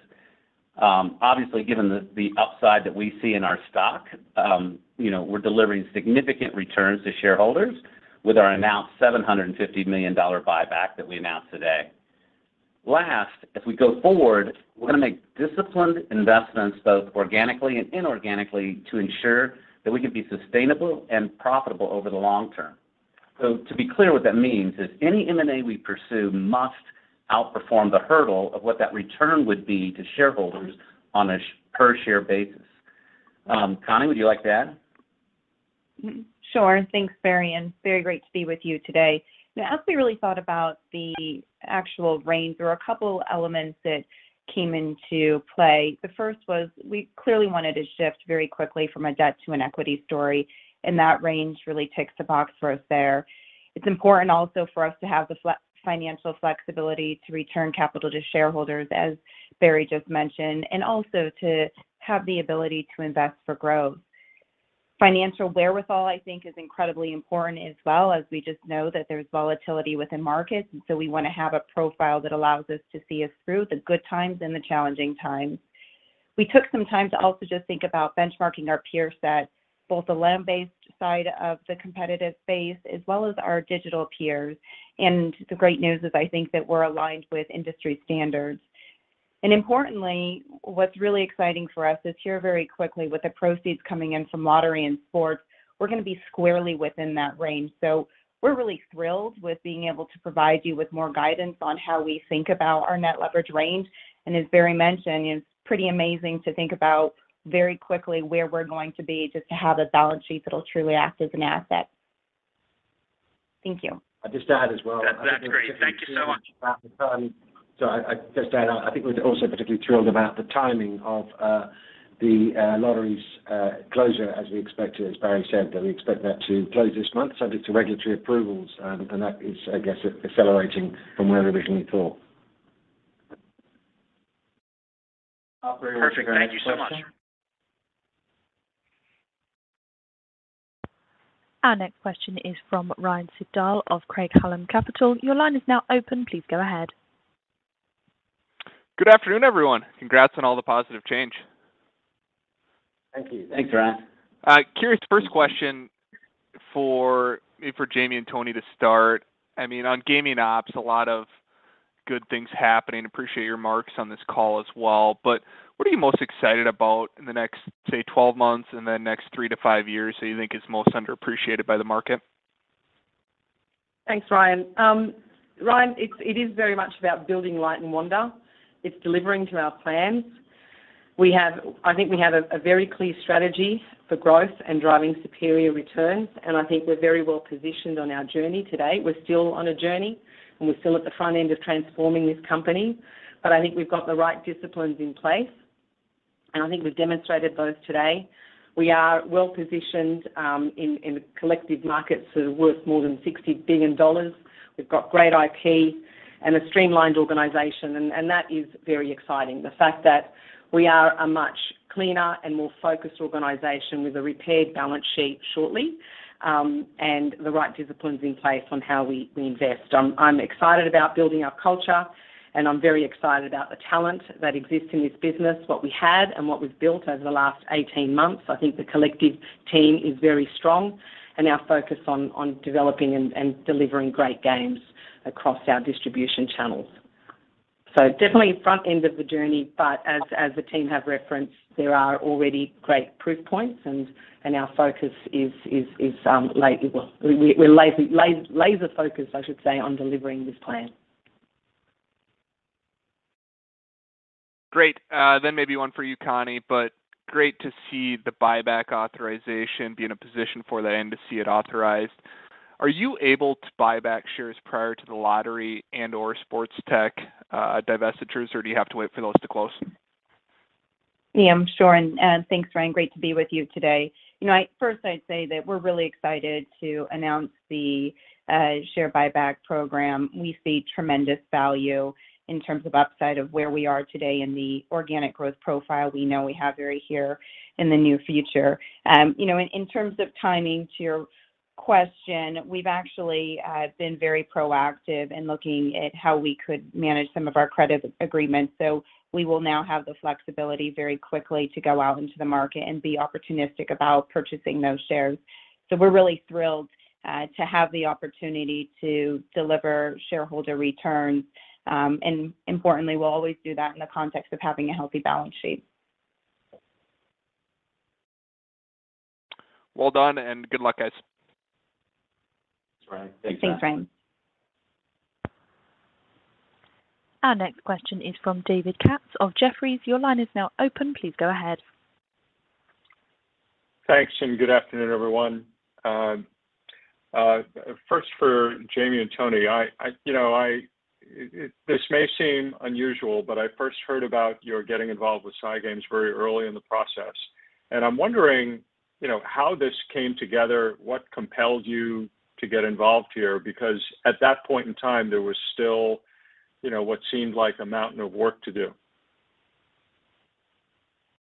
Obviously, given the upside that we see in our stock, you know, we're delivering significant returns to shareholders with our announced $750 million buyback that we announced today. Lastly, as we go forward, we're gonna make disciplined investments, both organically and inorganically, to ensure that we can be sustainable and profitable over the long term. To be clear what that means is any M&A we pursue must outperform the hurdle of what that return would be to shareholders on a per-share basis. Connie, would you like to add? Sure. Thanks, Barry, and very great to be with you today. Now, as we really thought about the actual range, there were a couple elements that came into play. The first was we clearly wanted to shift very quickly from a debt to an equity story, and that range really ticks the box for us there. It's important also for us to have the financial flexibility to return capital to shareholders, as Barry just mentioned, and also to have the ability to invest for growth. Financial wherewithal, I think is incredibly important as well, as we just know that there's volatility within markets, and so we wanna have a profile that allows us to see us through the good times and the challenging times. We took some time to also just think about benchmarking our peer set, both the land-based side of the competitive space as well as our digital peers. And the great news is I think that we're aligned with industry standards. Importantly, what's really exciting for us is here very quickly with the proceeds coming in from lottery and sports, we're gonna be squarely within that range. We're really thrilled with being able to provide you with more guidance on how we think about our net leverage range. As Barry mentioned, it's pretty amazing to think about very quickly where we're going to be just to have a balance sheet that'll truly act as an asset. Thank you. I'll just add as well. That's great. Thank you so much. about the time. I'll just add, I think we're also particularly thrilled about the timing of the lottery's closure as we expected, as Barry said, that we expect that to close this month subject to regulatory approvals. That is, I guess, accelerating from where we originally thought. Operator- Perfect. Thank you so much. Our next question is from Ryan Sigdahl of Craig-Hallum Capital. Your line is now open. Please go ahead. Good afternoon, everyone. Congrats on all the positive change. Thank you. Thanks, Ryan. Curious first question for maybe for Jamie and Toni to start. I mean, on gaming ops, a lot of good things happening. Appreciate your remarks on this call as well. What are you most excited about in the next, say, 12 months and the next three to five years that you think is most underappreciated by the market? Thanks, Ryan. Ryan, it is very much about building Light & Wonder. It's delivering to our plans. I think we have a very clear strategy for growth and driving superior returns, and I think we're very well positioned on our journey today. We're still on a journey, and we're still at the front end of transforming this company. I think we've got the right disciplines in place, and I think we've demonstrated those today. We are well positioned in the collective markets that are worth more than $60 billion. We've got great IP and a streamlined organization, and that is very exciting. The fact that we are a much cleaner and more focused organization with a repaired balance sheet shortly, and the right disciplines in place on how we invest. I'm excited about building our culture, and I'm very excited about the talent that exists in this business, what we had and what we've built over the last 18 months. I think the collective team is very strong, and our focus on developing and delivering great games across our distribution channels. Definitely front end of the journey, but as the team have referenced, there are already great proof points and our focus is laser-focused, I should say, on delivering this plan. Great. Maybe one for you, Connie, but great to see the buyback authorization be in a position for that and to see it authorized. Are you able to buy back shares prior to the lottery and/or sports tech divestitures, or do you have to wait for those to close? Yeah, sure. Thanks, Ryan. Great to be with you today. First I'd say that we're really excited to announce the share buyback program. We see tremendous value in terms of upside of where we are today in the organic growth profile we know we have right here in the near future. In terms of timing to your question, we've actually been very proactive in looking at how we could manage some of our credit agreements. So we will now have the flexibility very quickly to go out into the market and be opportunistic about purchasing those shares. We're really thrilled to have the opportunity to deliver shareholder returns, and importantly, we'll always do that in the context of having a healthy balance sheet. Well done, and good luck, guys. Thanks, Ryan. Thanks, Ryan. Our next question is from David Katz of Jefferies. Your line is now open. Please go ahead. Thanks, and good afternoon, everyone. First for Jamie and Toni, you know, this may seem unusual, but I first heard about your getting involved with Scientific Games very early in the process. I'm wondering, you know, how this came together, what compelled you to get involved here, because at that point in time, there was still, you know, what seemed like a mountain of work to do.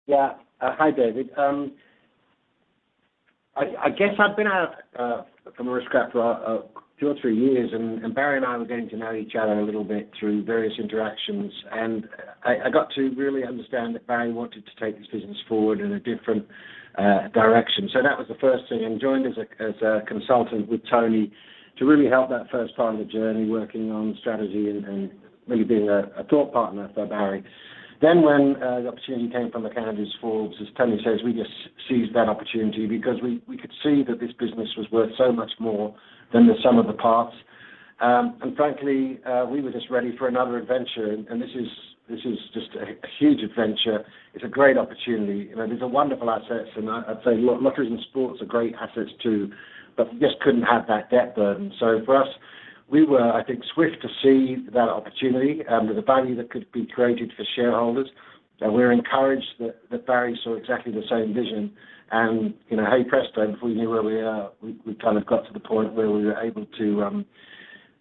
Yeah. Hi, David. I guess I've been out from Aristocrat for two or three years, and Barry and I were getting to know each other a little bit through various interactions. I got to really understand that Barry wanted to take this business forward in a different direction. That was the first thing. Joined as a consultant with Toni to really help that first part of the journey, working on strategy and really being a thought partner for Barry. When the opportunity came from the candidacy for, as Toni says, we just seized that opportunity because we could see that this business was worth so much more than the sum of the parts. Frankly, we were just ready for another adventure. This is just a huge adventure. It's a great opportunity. You know, these are wonderful assets. I'd say lotteries and sports are great assets too, but just couldn't have that debt burden. For us, we were, I think, swift to see that opportunity with the value that could be created for shareholders. We're encouraged that Barry saw exactly the same vision. And you know, hey, presto, before you knew it, we were kind of got to the point where we were able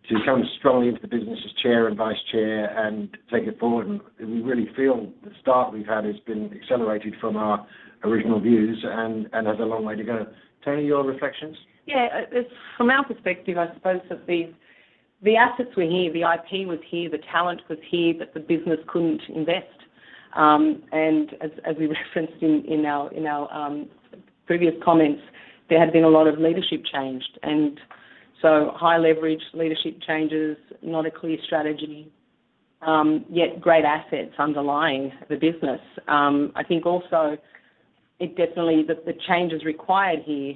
to come strongly into the business as Chair and Vice Chair and take it forward. We really feel the start we've had has been accelerated from our original views and has a long way to go. Toni, your reflections? Yeah. It's from our perspective, I suppose that the assets were here, the IP was here, the talent was here, but the business couldn't invest. As we referenced in our previous comments, there had been a lot of leadership change, high leverage, leadership changes, not a clear strategy, yet great assets underlying the business. I think also it definitely the changes required here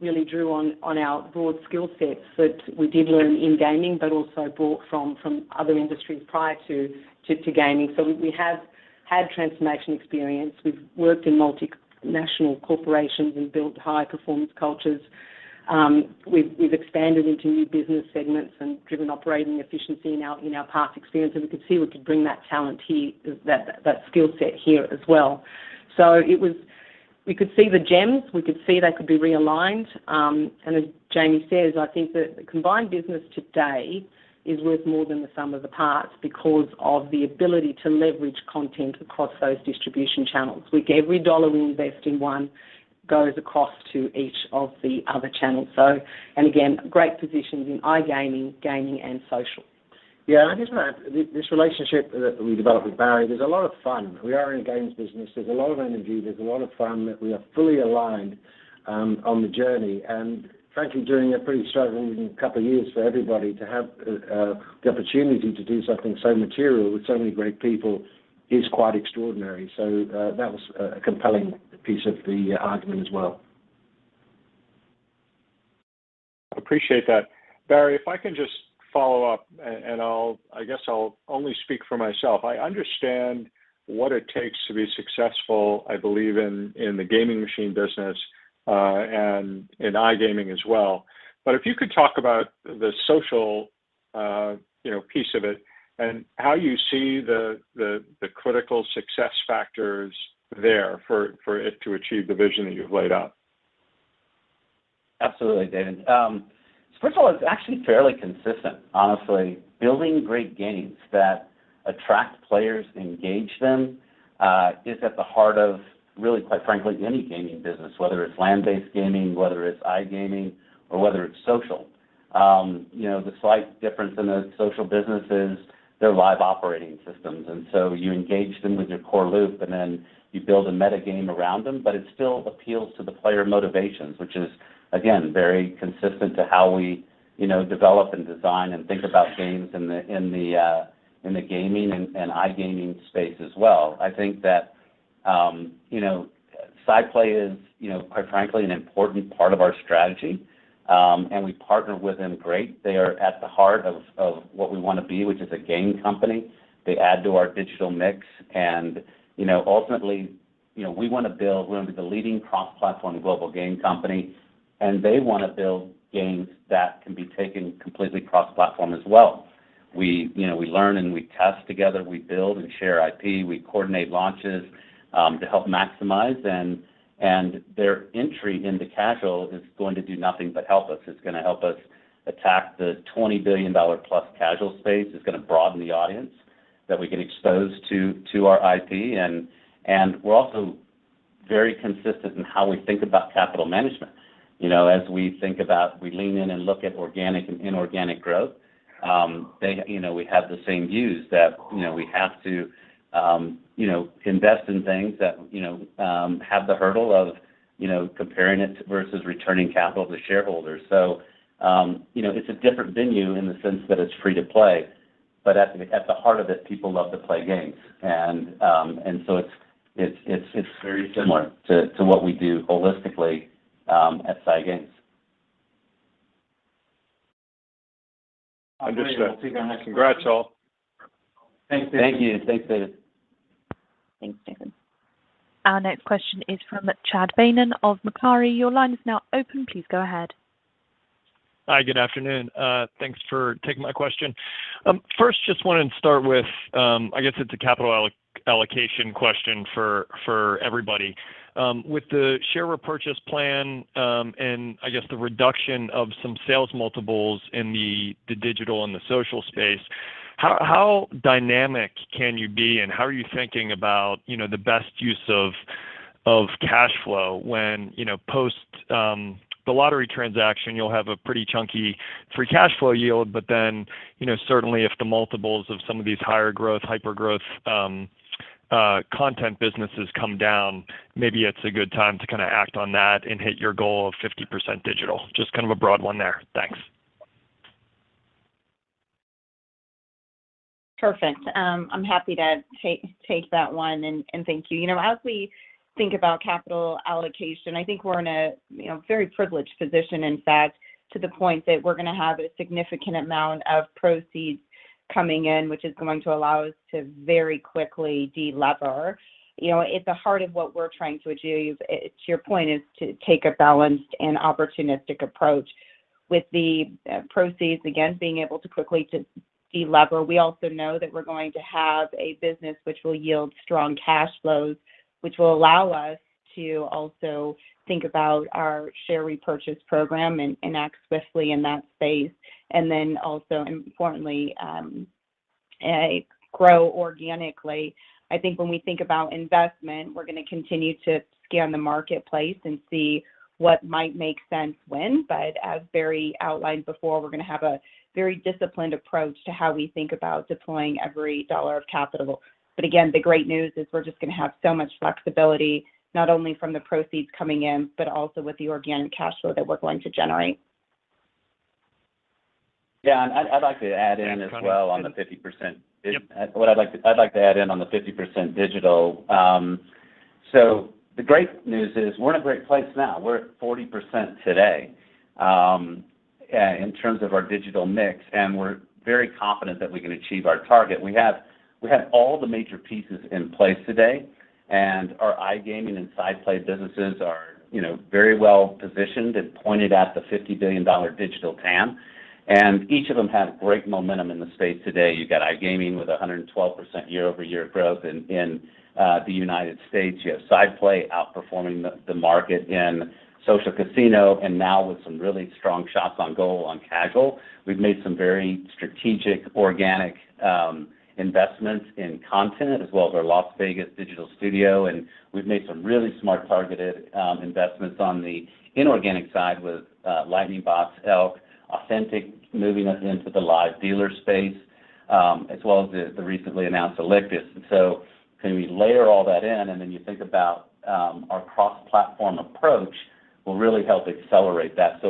really drew on our broad skill sets that we did learn in gaming, but also brought from other industries prior to gaming. We have had transformation experience. We've worked in multinational corporations. We've built high performance cultures. We've expanded into new business segments and driven operating efficiency in our past experience, and we could see we could bring that talent here, that skill set here as well. We could see the gems, we could see they could be realigned. As Jamie says, I think the combined business today is worth more than the sum of the parts because of the ability to leverage content across those distribution channels. Every dollar we invest in one goes across to each of the other channels. So and again, great positions in iGaming, gaming, and social. Yeah. I just wanna add, this relationship that we developed with Barry, there's a lot of fun. We are in the games business. There's a lot of energy. There's a lot of fun. We are fully aligned on the journey. Frankly, during a pretty struggling couple of years for everybody to have the opportunity to do something so material with so many great people is quite extraordinary. That was a compelling piece of the argument as well. Appreciate that. Barry, if I can just follow up and I guess I'll only speak for myself. I understand what it takes to be successful. I believe in the gaming machine business and in iGaming as well. But if you could talk about the social, you know, piece of it and how you see the critical success factors there for it to achieve the vision that you've laid out? Absolutely, David. First of all, it's actually fairly consistent, honestly. Building great games that attract players, engage them, is at the heart of really quite frankly any gaming business, whether it's land-based gaming, whether it's iGaming or whether it's social. You know, the slight difference in those social businesses, they're live operating systems, and so you engage them with your core loop, and then you build a meta-game around them. It still appeals to the player motivations, which is again very consistent to how we, you know, develop and design and think about games in the gaming and iGaming space as well. I think that, you know, SciPlay is, you know, quite frankly an important part of our strategy, and we partner with them great. They are at the heart of what we wanna be, which is a game company. They add to our digital mix, and, you know, ultimately, you know, we wanna be the leading cross-platform global game company, and they wanna build games that can be taken completely cross-platform as well. We, you know, we learn and we test together. We build and share IP. We coordinate launches to help maximize, and their entry into casual is going to do nothing but help us. It's gonna help us attack the $20 billion+ casual space. It's gonna broaden the audience that we get exposed to our IP, and we're also very consistent in how we think about capital management. You know, as we think about, we lean in and look at organic and inorganic growth, you know, we have the same views that, you know, we have to, you know, invest in things that, you know, have the hurdle of, you know, comparing it versus returning capital to shareholders. So you know, it's a different venue in the sense that it's free to play, but at the heart of it, people love to play games, and so it's very similar to what we do holistically at SciPlay. Understood. Congrats, all. Thank you. Thanks, David. Thanks, David. Our next question is from Chad Beynon of Macquarie. Your line is now open. Please go ahead. Hi, good afternoon. Thanks for taking my question. First just wanted to start with, I guess it's a capital allocation question for everybody. With the share repurchase plan, and I guess the reduction of some sales multiples in the digital and the social space, how dynamic can you be, and how are you thinking about, you know, the best use of cash flow when, you know, post the lottery transaction you'll have a pretty chunky free cash flow yield, but then, you know, certainly if the multiples of some of these higher growth, hypergrowth content businesses come down, maybe it's a good time to kinda act on that and hit your goal of 50% digital. Just kind of a broad one there. Thanks. Perfect. I'm happy to take that one and thank you. You know, as we think about capital allocation, I think we're in a, you know, very privileged position in fact to the point that we're gonna have a significant amount of proceeds coming in which is going to allow us to very quickly de-lever. You know, at the heart of what we're trying to achieve, to your point is to take a balanced and opportunistic approach. With the proceeds, again, being able to quickly to de-lever, we also know that we're going to have a business which will yield strong cash flows, which will allow us to also think about our share repurchase program and act swiftly in that space and then also importantly, grow organically. I think when we think about investment, we're gonna continue to scan the marketplace and see what might make sense when. As Barry outlined before, we're gonna have a very disciplined approach to how we think about deploying every dollar of capital. And again, the great news is we're just gonna have so much flexibility not only from the proceeds coming in, but also with the organic cash flow that we're going to generate. I'd like to add in as well on the 50%. Yep. I'd like to add in on the 50% digital. The great news is we're in a great place now. We're at 40% today in terms of our digital mix, and we're very confident that we can achieve our target. We have all the major pieces in place today, and our iGaming and SciPlay businesses are, you know, very well-positioned and pointed at the $50 billion digital TAM, and each of them have great momentum in the space today. You've got iGaming with 112% year-over-year growth in the United States. You have SciPlay outperforming the market in social casino and now with some really strong shots on goal on casual. We've made some very strategic organic investments in content as well as our Las Vegas digital studio, and we've made some really smart targeted investments on the inorganic side with Lightning Box, ELK, Authentic moving us into the live dealer space, as well as the recently announced Alictus. Kind of we layer all that in, and then you think about our cross-platform approach will really help accelerate that.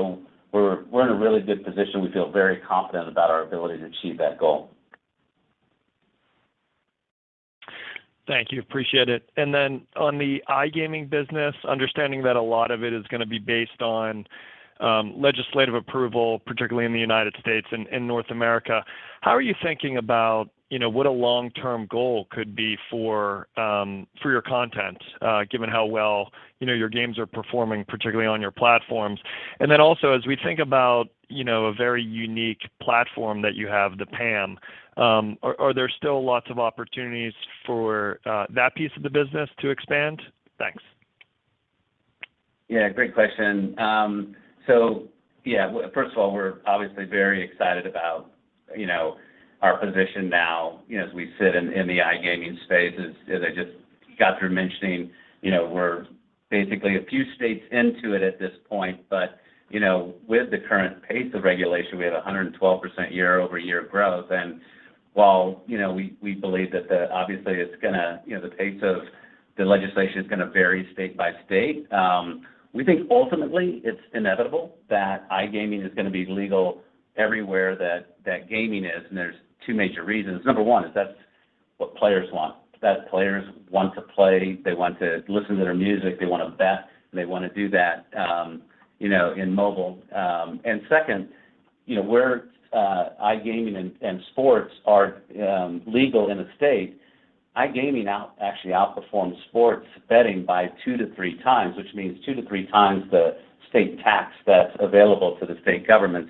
We're in a really good position. We feel very confident about our ability to achieve that goal. Thank you. Appreciate it. On the iGaming business, understanding that a lot of it is gonna be based on legislative approval, particularly in the United States and North America, how are you thinking about, you know, what a long-term goal could be for your content, given how well, you know, your games are performing, particularly on your platforms? As we think about, you know, a very unique platform that you have, the PAM, are there still lots of opportunities for that piece of the business to expand? Thanks. Yeah, great question. So yeah, first of all, we're obviously very excited about, you know, our position now, you know, as we sit in the iGaming space, as I just got through mentioning, you know, we're basically a few states into it at this point. With the current pace of regulation, we have 112% year-over-year growth. And while, you know, we believe that obviously it's gonna, you know, the pace of the legislation is gonna vary state by state, we think ultimately it's inevitable that iGaming is gonna be legal everywhere that gaming is, and there's two major reasons. Number one is that's what players want. That players want to play, they want to listen to their music, they wanna bet, and they wanna do that, you know, in mobile. Second, you know, where iGaming and sports are legal in a state, iGaming actually outperforms sports betting by 2-3 times, which means 2-3 times the state tax that's available to the state government.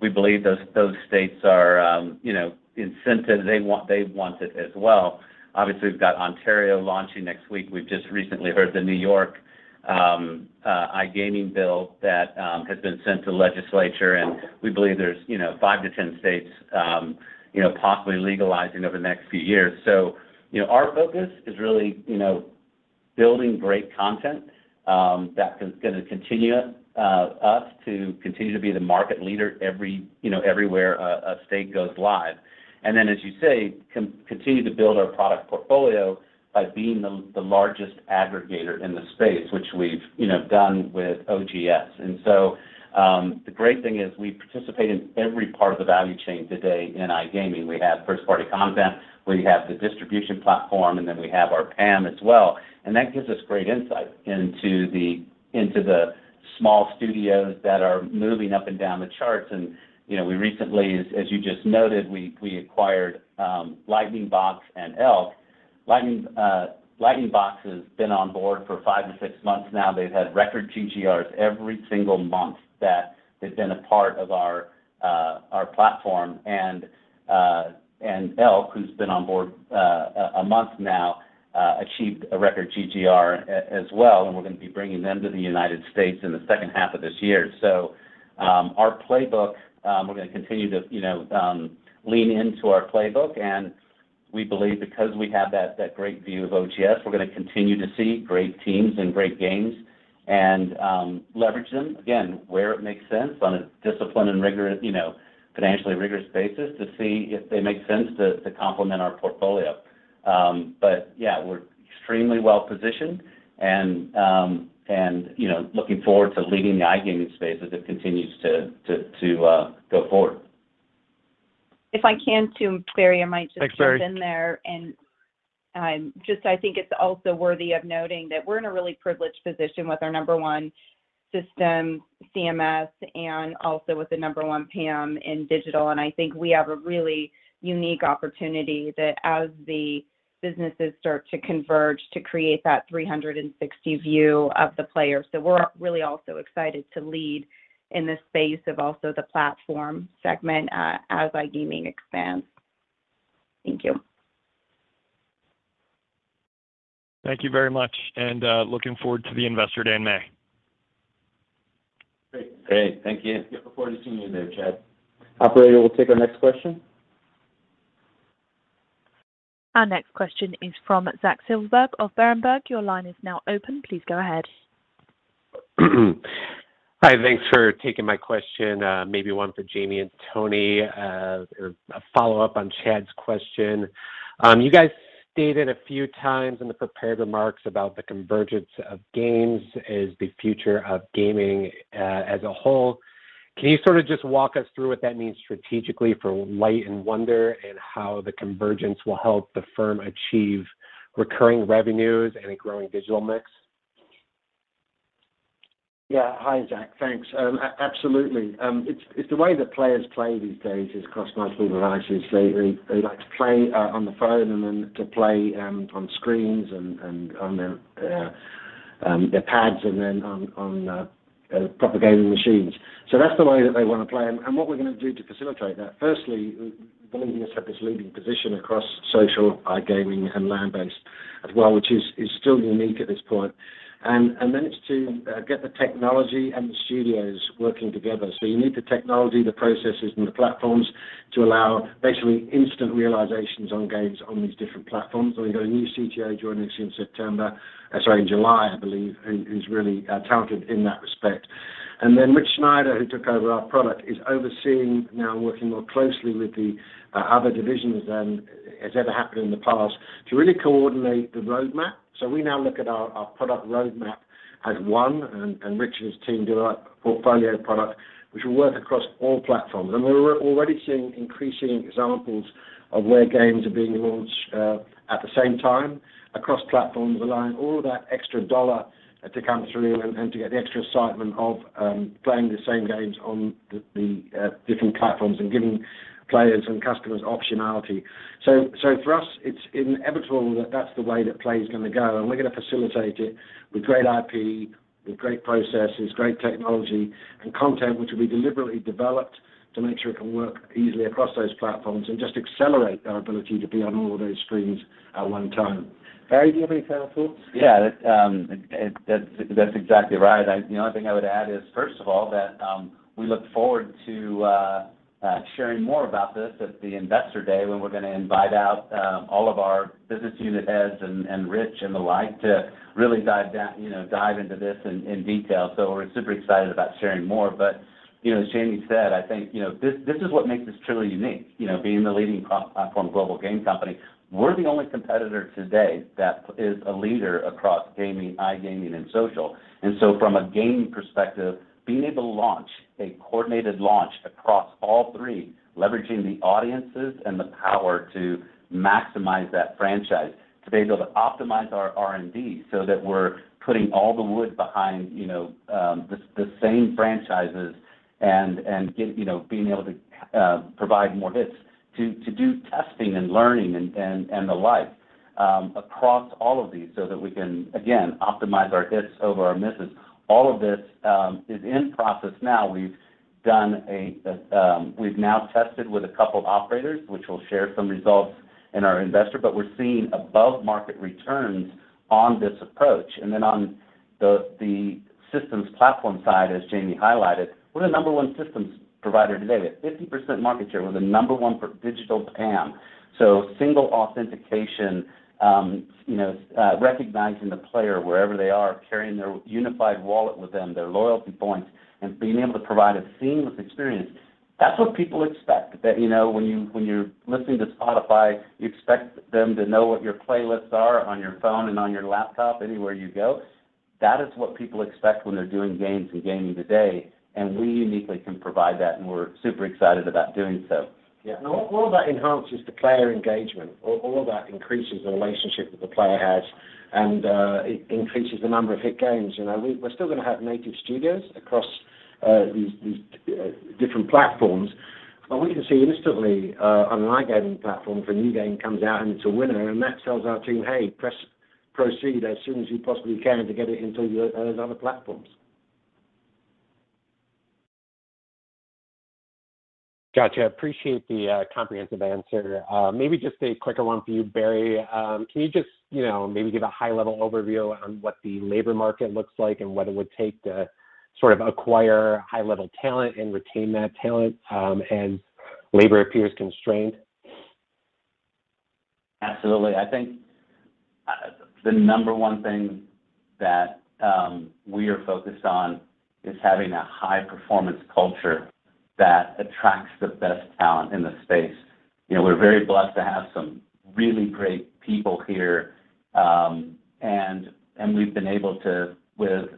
We believe those states are, you know, incented. They want it as well. Obviously, we've got Ontario launching next week. We've just recently heard the New York iGaming bill that has been sent to legislature, and we believe there's, you know, five to 10 states, you know, possibly legalizing over the next few years. You know, our focus is really, you know, building great content that is gonna continue us to continue to be the market leader everywhere, you know, a state goes live. And as you say, continue to build our product portfolio by being the largest aggregator in the space, which we've, you know, done with OGS. The great thing is we participate in every part of the value chain today in iGaming. We have first-party content, we have the distribution platform, and then we have our PAM as well. That gives us great insight into the small studios that are moving up and down the charts. You know, we recently, as you just noted, we acquired Lightning Box and ELK. Lightning Box has been on board for five to six months now. They've had record TGRs every single month that they've been a part of our platform. ELK, who's been on board a month now, achieved a record TGR as well, and we're gonna be bringing them to the United States in the second half of this year. Our playbook, we're gonna continue to, you know, lean into our playbook, and we believe because we have that great view of OGS, we're gonna continue to see great teams and great games and leverage them, again, where it makes sense on a disciplined and rigorous, you know, financially rigorous basis to see if they make sense to complement our portfolio. Yeah, we're extremely well positioned and, you know, looking forward to leading the iGaming space as it continues to go forward. If I can too, Barry, I might just. Thanks, Barry. ...jump in there and, just I think it's also worthy of noting that we're in a really privileged position with our number one system, CMS, and also with the number one PAM in digital. And I think we have a really unique opportunity that as the businesses start to converge to create that 360 view of the player. We're really also excited to lead in this space of also the platform segment, as iGaming expands. Thank you. Thank you very much, and looking forward to the Investor Day in May. Great. Thank you. Look forward to seeing you there, Chad. Operator, we'll take our next question. Our next question is from Zachary Silverberg of Berenberg. Your line is now open. Please go ahead. Hi, thanks for taking my question, maybe one for Jamie and Toni, or a follow-up on Chad's question. You guys stated a few times in the prepared remarks about the convergence of games is the future of gaming, as a whole. Can you sort of just walk us through what that means strategically for Light & Wonder, and how the convergence will help the firm achieve recurring revenues and a growing digital mix? Yeah. Hi, Zach. Thanks. Absolutely. It's the way that players play these days is across multiple devices. They like to play on the phone and then play on screens and on their pads and then on proper gaming machines. That's the way that they wanna play and what we're gonna do to facilitate that. Firstly, we've always had this leading position across social iGaming and land-based as well, which is still unique at this point. And it's to get the technology and the studios working together. You need the technology, the processes, and the platforms to allow basically instant realizations on games on these different platforms. We've got a new CTO joining us in September, sorry, in July, I believe, who's really talented in that respect. And then Rich Schneider, who took over our product, is overseeing now working more closely with the other divisions than has ever happened in the past to really coordinate the roadmap. We now look at our product roadmap as one, and Rich and his team develop a portfolio of products which will work across all platforms. We're already seeing increasing examples of where games are being launched at the same time across platforms, allowing all of that extra dollar to come through and to get the extra excitement of playing the same games on the different platforms and giving players and customers optionality. For us, it's inevitable that that's the way that play is gonna go, and we're gonna facilitate it with great IP, with great processes, great technology, and content which will be deliberately developed to make sure it can work easily across those platforms and just accelerate our ability to be on all of those screens at one time. Barry, do you have any final thoughts? Yeah, that's exactly right. The only thing I would add is, first of all, that we look forward to sharing more about this at the Investor Day when we're gonna invite out all of our business unit heads and Rich and the like to really dive into this in detail. And so we're super excited about sharing more. You know, as Jamie said, I think, you know, this is what makes us truly unique, you know, being the leading cross-platform global game company. We're the only competitor today that is a leader across gaming, iGaming, and social. From a game perspective, being able to launch a coordinated launch across all three, leveraging the audiences and the power to maximize that franchise, to be able to optimize our R&D so that we're putting all the wood behind the same franchises and being able to provide more hits. Do testing and learning and the like across all of these so that we can, again, optimize our hits over our misses. All of this is in process now. We've now tested with a couple operators, which we'll share some results in our investor, but we're seeing above market returns on this approach. And on the systems platform side, as Jamie highlighted, we're the number one systems provider today. We have 50% market share. We're the number one for digital PAM. Single authentication, you know, recognizing the player wherever they are, carrying their unified wallet with them, their loyalty points, and being able to provide a seamless experience. That's what people expect. That, you know, when you're listening to Spotify, you expect them to know what your playlists are on your phone and on your laptop anywhere you go. That is what people expect when they're doing games and gaming today, and we uniquely can provide that, and we're super excited about doing so. Yeah. All of that enhances the player engagement. All of that increases the relationship that the player has and it increases the number of hit games. You know, we're still gonna have native studios across these different platforms. We can see instantly on an iGaming platform if a new game comes out and it's a winner, and that tells our team, "Hey, press proceed as soon as you possibly can to get it into those other platforms. Gotcha. Appreciate the comprehensive answer. Maybe just a quicker one for you, Barry. Can you just, you know, maybe give a high-level overview on what the labor market looks like and what it would take to sort of acquire high-level talent and retain that talent, and labor appears constrained? Absolutely. I think the number one thing that we are focused on is having a high-performance culture that attracts the best talent in the space. You know, we're very blessed to have some really great people here, and we've been able to with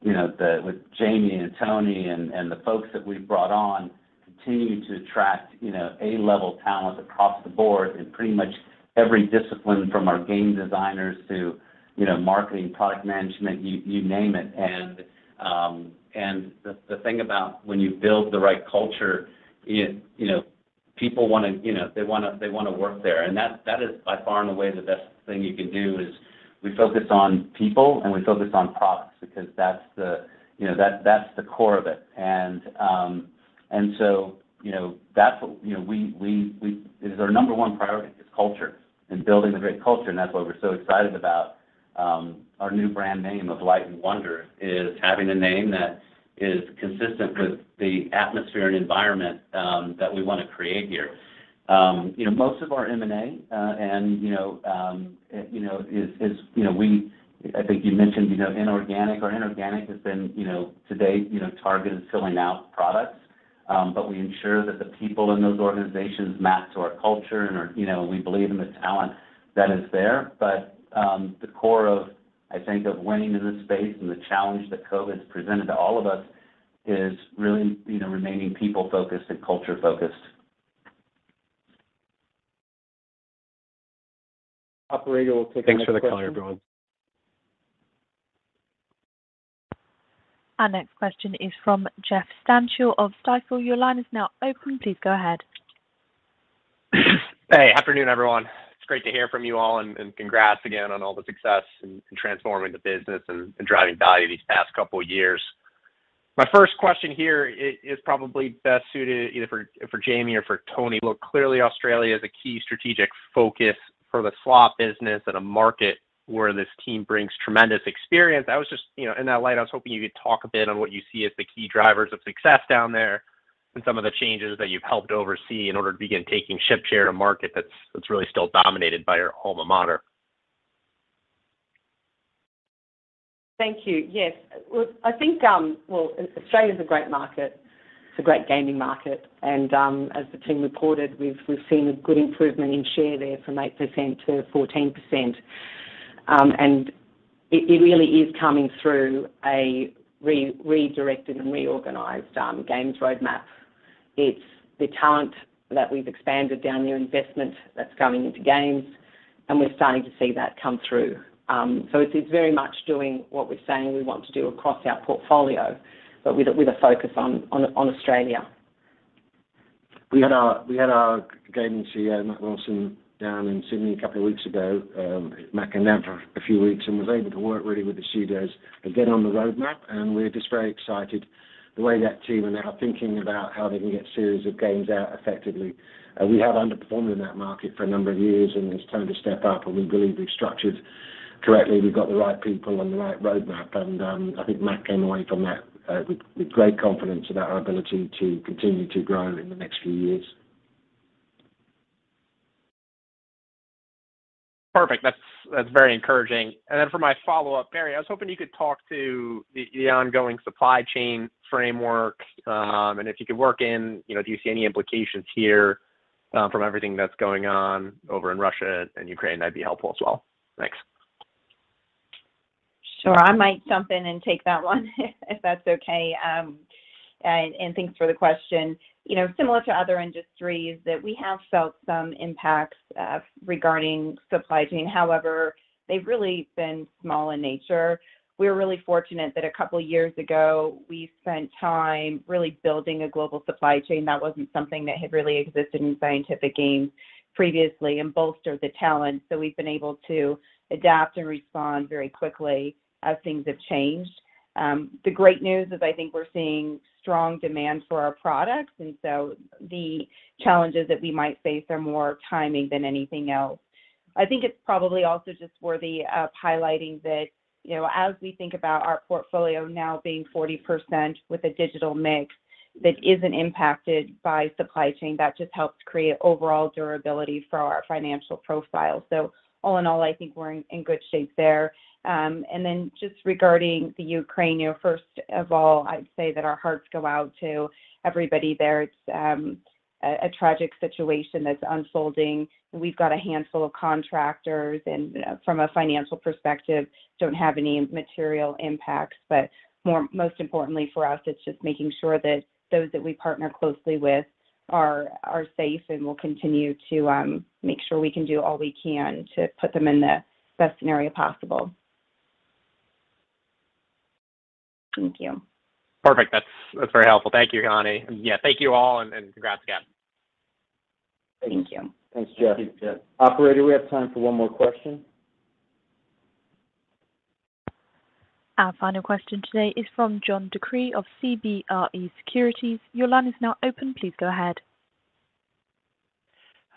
you know, with Jamie and Toni and the folks that we've brought on, continue to attract you know, A-level talent across the board in pretty much every discipline, from our game designers to you know, marketing, product management, you name it. The thing about when you build the right culture, it you know, people wanna you know, they wanna work there. That is by far and away the best thing you can do, is we focus on people, and we focus on products because that's the core of it. And so, that's what it is our number one priority is culture and building a great culture, and that's why we're so excited about our new brand name of Light & Wonder. Is having a name that is consistent with the atmosphere and environment that we wanna create here. Most of our M&A is I think you mentioned inorganic. Our inorganic has been, you know, to date, you know, targeted filling out products, but we ensure that the people in those organizations map to our culture and are, you know, we believe in the talent that is there. But the core of, I think of winning in this space and the challenge that COVID's presented to all of us is really, you know, remaining people-focused and culture-focused. Operator will take the next question. Thanks for the color, everyone. Our next question is from Jeffrey Stantial of Stifel. Your line is now open. Please go ahead. Hey. Afternoon, everyone. It's great to hear from you all, and congrats again on all the success in transforming the business and driving value these past couple years. My first question here is probably best suited either for Jamie or for Toni. Look, clearly Australia is a key strategic focus for the slot business and a market where this team brings tremendous experience. I was just, you know, in that light, I was hoping you could talk a bit on what you see as the key drivers of success down there and some of the changes that you've helped oversee in order to begin taking market share in a market that's really still dominated by your alma mater. Thank you. Yes. And I think that, well, Australia's a great market. It's a great gaming market. As the team reported, we've seen a good improvement in share there from 8%-14%. It really is coming through a redirected and reorganized games roadmap. It's the talent that we've expanded down there, investment that's going into games, and we're starting to see that come through. It is very much doing what we're saying we want to do across our portfolio, but with a focus on Australia. We had our Gaming CEO, Matt Wilson, down in Sydney a couple of weeks ago. Matt can now for a few weeks and was able to work really with the studios again on the roadmap, and we're just very excited the way that team are now thinking about how they can get series of games out effectively. We have underperformed in that market for a number of years, and it's time to step up, and we believe we've structured Correctly, we've got the right people and the right roadmap, and I think Matt came away from that with great confidence about our ability to continue to grow in the next few years. Perfect. That's very encouraging. Then for my follow-up, Barry, I was hoping you could talk to the ongoing supply chain framework, and if you could work in, you know, do you see any implications here, from everything that's going on over in Russia and Ukraine, that'd be helpful as well. Thanks. Sure. I might jump in and take that one if that's okay. And thanks for the question. You know, similar to other industries that we have felt some impacts regarding supply chain. However, they've really been small in nature. We're really fortunate that a couple of years ago we spent time really building a global supply chain that wasn't something that had really existed in Scientific Games previously and bolstered the talent. So we've been able to adapt and respond very quickly as things have changed. The great news is I think we're seeing strong demand for our products, and so the challenges that we might face are more timing than anything else. I think it's probably also just worthy of highlighting that, you know, as we think about our portfolio now being 40% with a digital mix that isn't impacted by supply chain, that just helps create overall durability for our financial profile. So all in all, I think we're in good shape there. And then just regarding the Ukraine, you know, first of all, I'd say that our hearts go out to everybody there. It's a tragic situation that's unfolding, and we've got a handful of contractors, and from a financial perspective, don't have any material impacts. But most importantly for us, it's just making sure that those that we partner closely with are safe, and we'll continue to make sure we can do all we can to put them in the best scenario possible. Thank you. Perfect. That's very helpful. Thank you, Connie. Yeah, thank you all, and congrats again. Thank you. Thanks, Jeff. Thanks, Jeff. Operator, we have time for one more question. Our final question today is from John DeCree of CBRE Securities. Your line is now open. Please go ahead.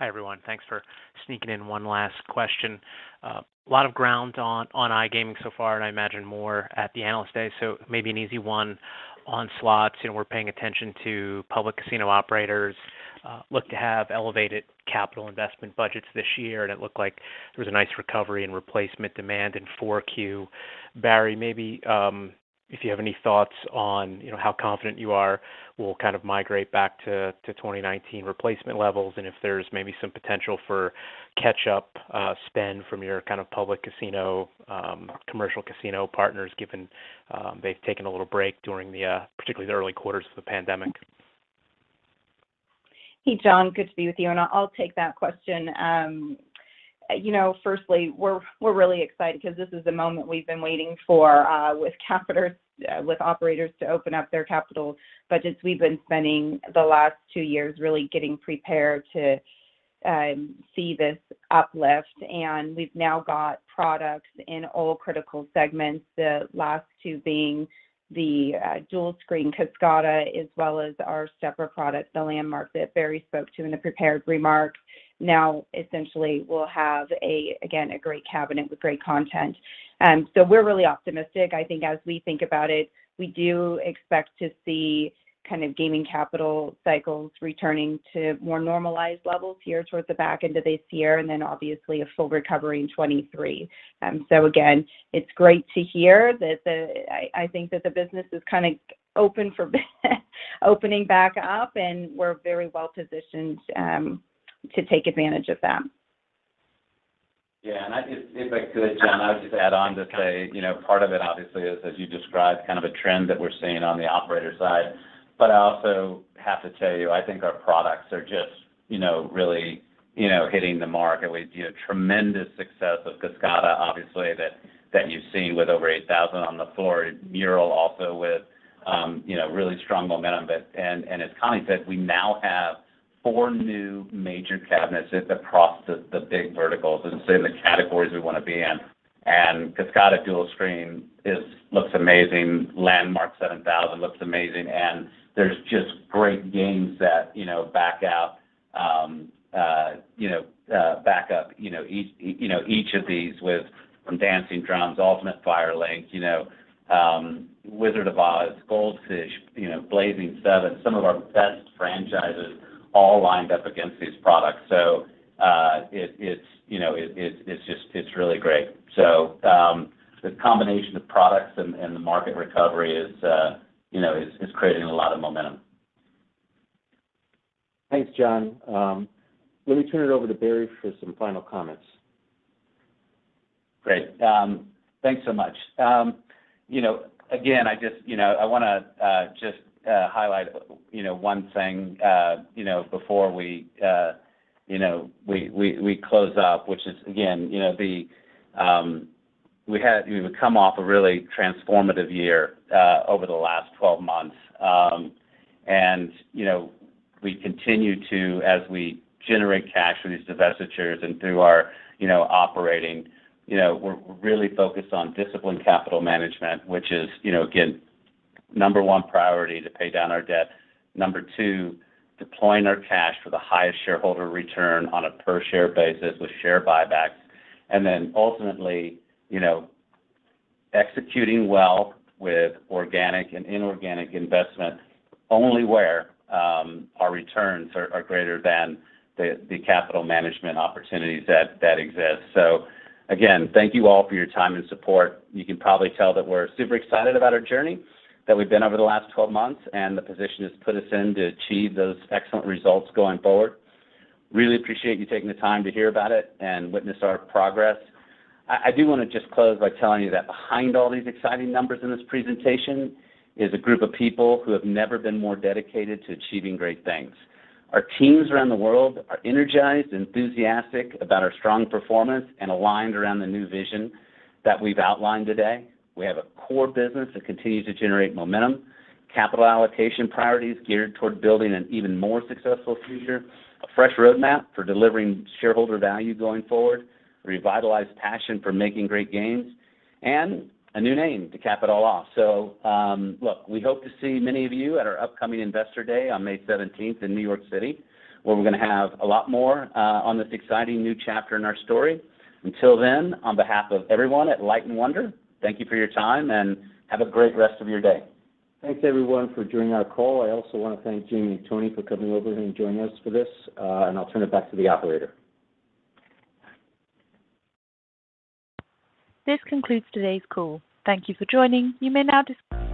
Hi, everyone. Thanks for sneaking in one last question. A lot of ground on iGaming so far, and I imagine more at the Analyst Day. Maybe an easy one on slots, you know. We're paying attention to public casino operators look to have elevated capital investment budgets this year, and it looked like there was a nice recovery in replacement demand in Q4. Barry, maybe if you have any thoughts on, you know, how confident you are we'll kind of migrate back to 2019 replacement levels, and if there's maybe some potential for catch-up spend from your kind of public casino commercial casino partners given they've taken a little break during the particularly the early quarters of the pandemic. Hey, John, good to be with you, and I'll take that question. You know, firstly, we're really excited 'cause this is the moment we've been waiting for with CapEx with operators to open up their capital budgets. We've been spending the last two years really getting prepared to see this uplift, and we've now got products in all critical segments, the last two being the dual screen Kascada as well as our stepper product, the Landmark that Barry spoke to in the prepared remarks. Now, essentially, we'll have again a great cabinet with great content. And so we're really optimistic. I think as we think about it, we do expect to see kind of gaming capital cycles returning to more normalized levels here towards the back end of this year and then obviously a full recovery in 2023. And so again, it's great to hear that. I think that the business is kinda opening back up, and we're very well-positioned to take advantage of that. If I could, John, I'll just add on to say, you know, part of it obviously is, as you described, kind of a trend that we're seeing on the operator side. I also have to tell you, I think our products are just, you know, really, you know, hitting the mark. At least, you know, tremendous success of Kascada obviously that you've seen with over 8,000 on the floor. Mural also with, you know, really strong momentum. As Connie said, we now have four new major cabinets that's across the big verticals, as I say, the categories we wanna be in. Kascada Dual Screen looks amazing. Landmark 7000 looks amazing. There's just great games that, you know, back up, you know, each. You know, each of these from Dancing Drums, Ultimate Fire Link, you know, Wizard of Oz, Goldfish, you know, Blazing Sevens, some of our best franchises all lined up against these products. It's, you know, just really great. So the combination of products and the market recovery is creating a lot of momentum. Thanks, John. Let me turn it over to Barry for some final comments. Great. Thanks so much. You know, again, I just you know I wanna just highlight you know one thing you know before we you know we close up, which is again you know we would come off a really transformative year over the last 12 months. And you know we continue to as we generate cash with these divestitures and through our operating you know we're really focused on disciplined capital management, which is you know again number one priority to pay down our debt. Number two, deploying our cash for the highest shareholder return on a per share basis with share buybacks. And then ultimately you know executing well with organic and inorganic investment only where our returns are greater than the capital management opportunities that exist. Again, thank you all for your time and support. You can probably tell that we're super excited about our journey that we've been over the last 12 months and the position has put us in to achieve those excellent results going forward. Really appreciate you taking the time to hear about it and witness our progress. I do wanna just close by telling you that behind all these exciting numbers in this presentation is a group of people who have never been more dedicated to achieving great things. Our teams around the world are energized and enthusiastic about our strong performance and aligned around the new vision that we've outlined today. We have a core business that continues to generate momentum, capital allocation priorities geared toward building an even more successful future, a fresh roadmap for delivering shareholder value going forward, revitalized passion for making great gains, and a new name to cap it all off. Look, we hope to see many of you at our upcoming Investor Day on May 17 in New York City, where we're gonna have a lot more on this exciting new chapter in our story. Until then, on behalf of everyone at Light & Wonder, thank you for your time, and have a great rest of your day. Thanks everyone for joining our call. I also wanna thank Jamie and Toni for coming over and joining us for this, and I'll turn it back to the operator. This concludes today's call. Thank you for joining. You may now dis-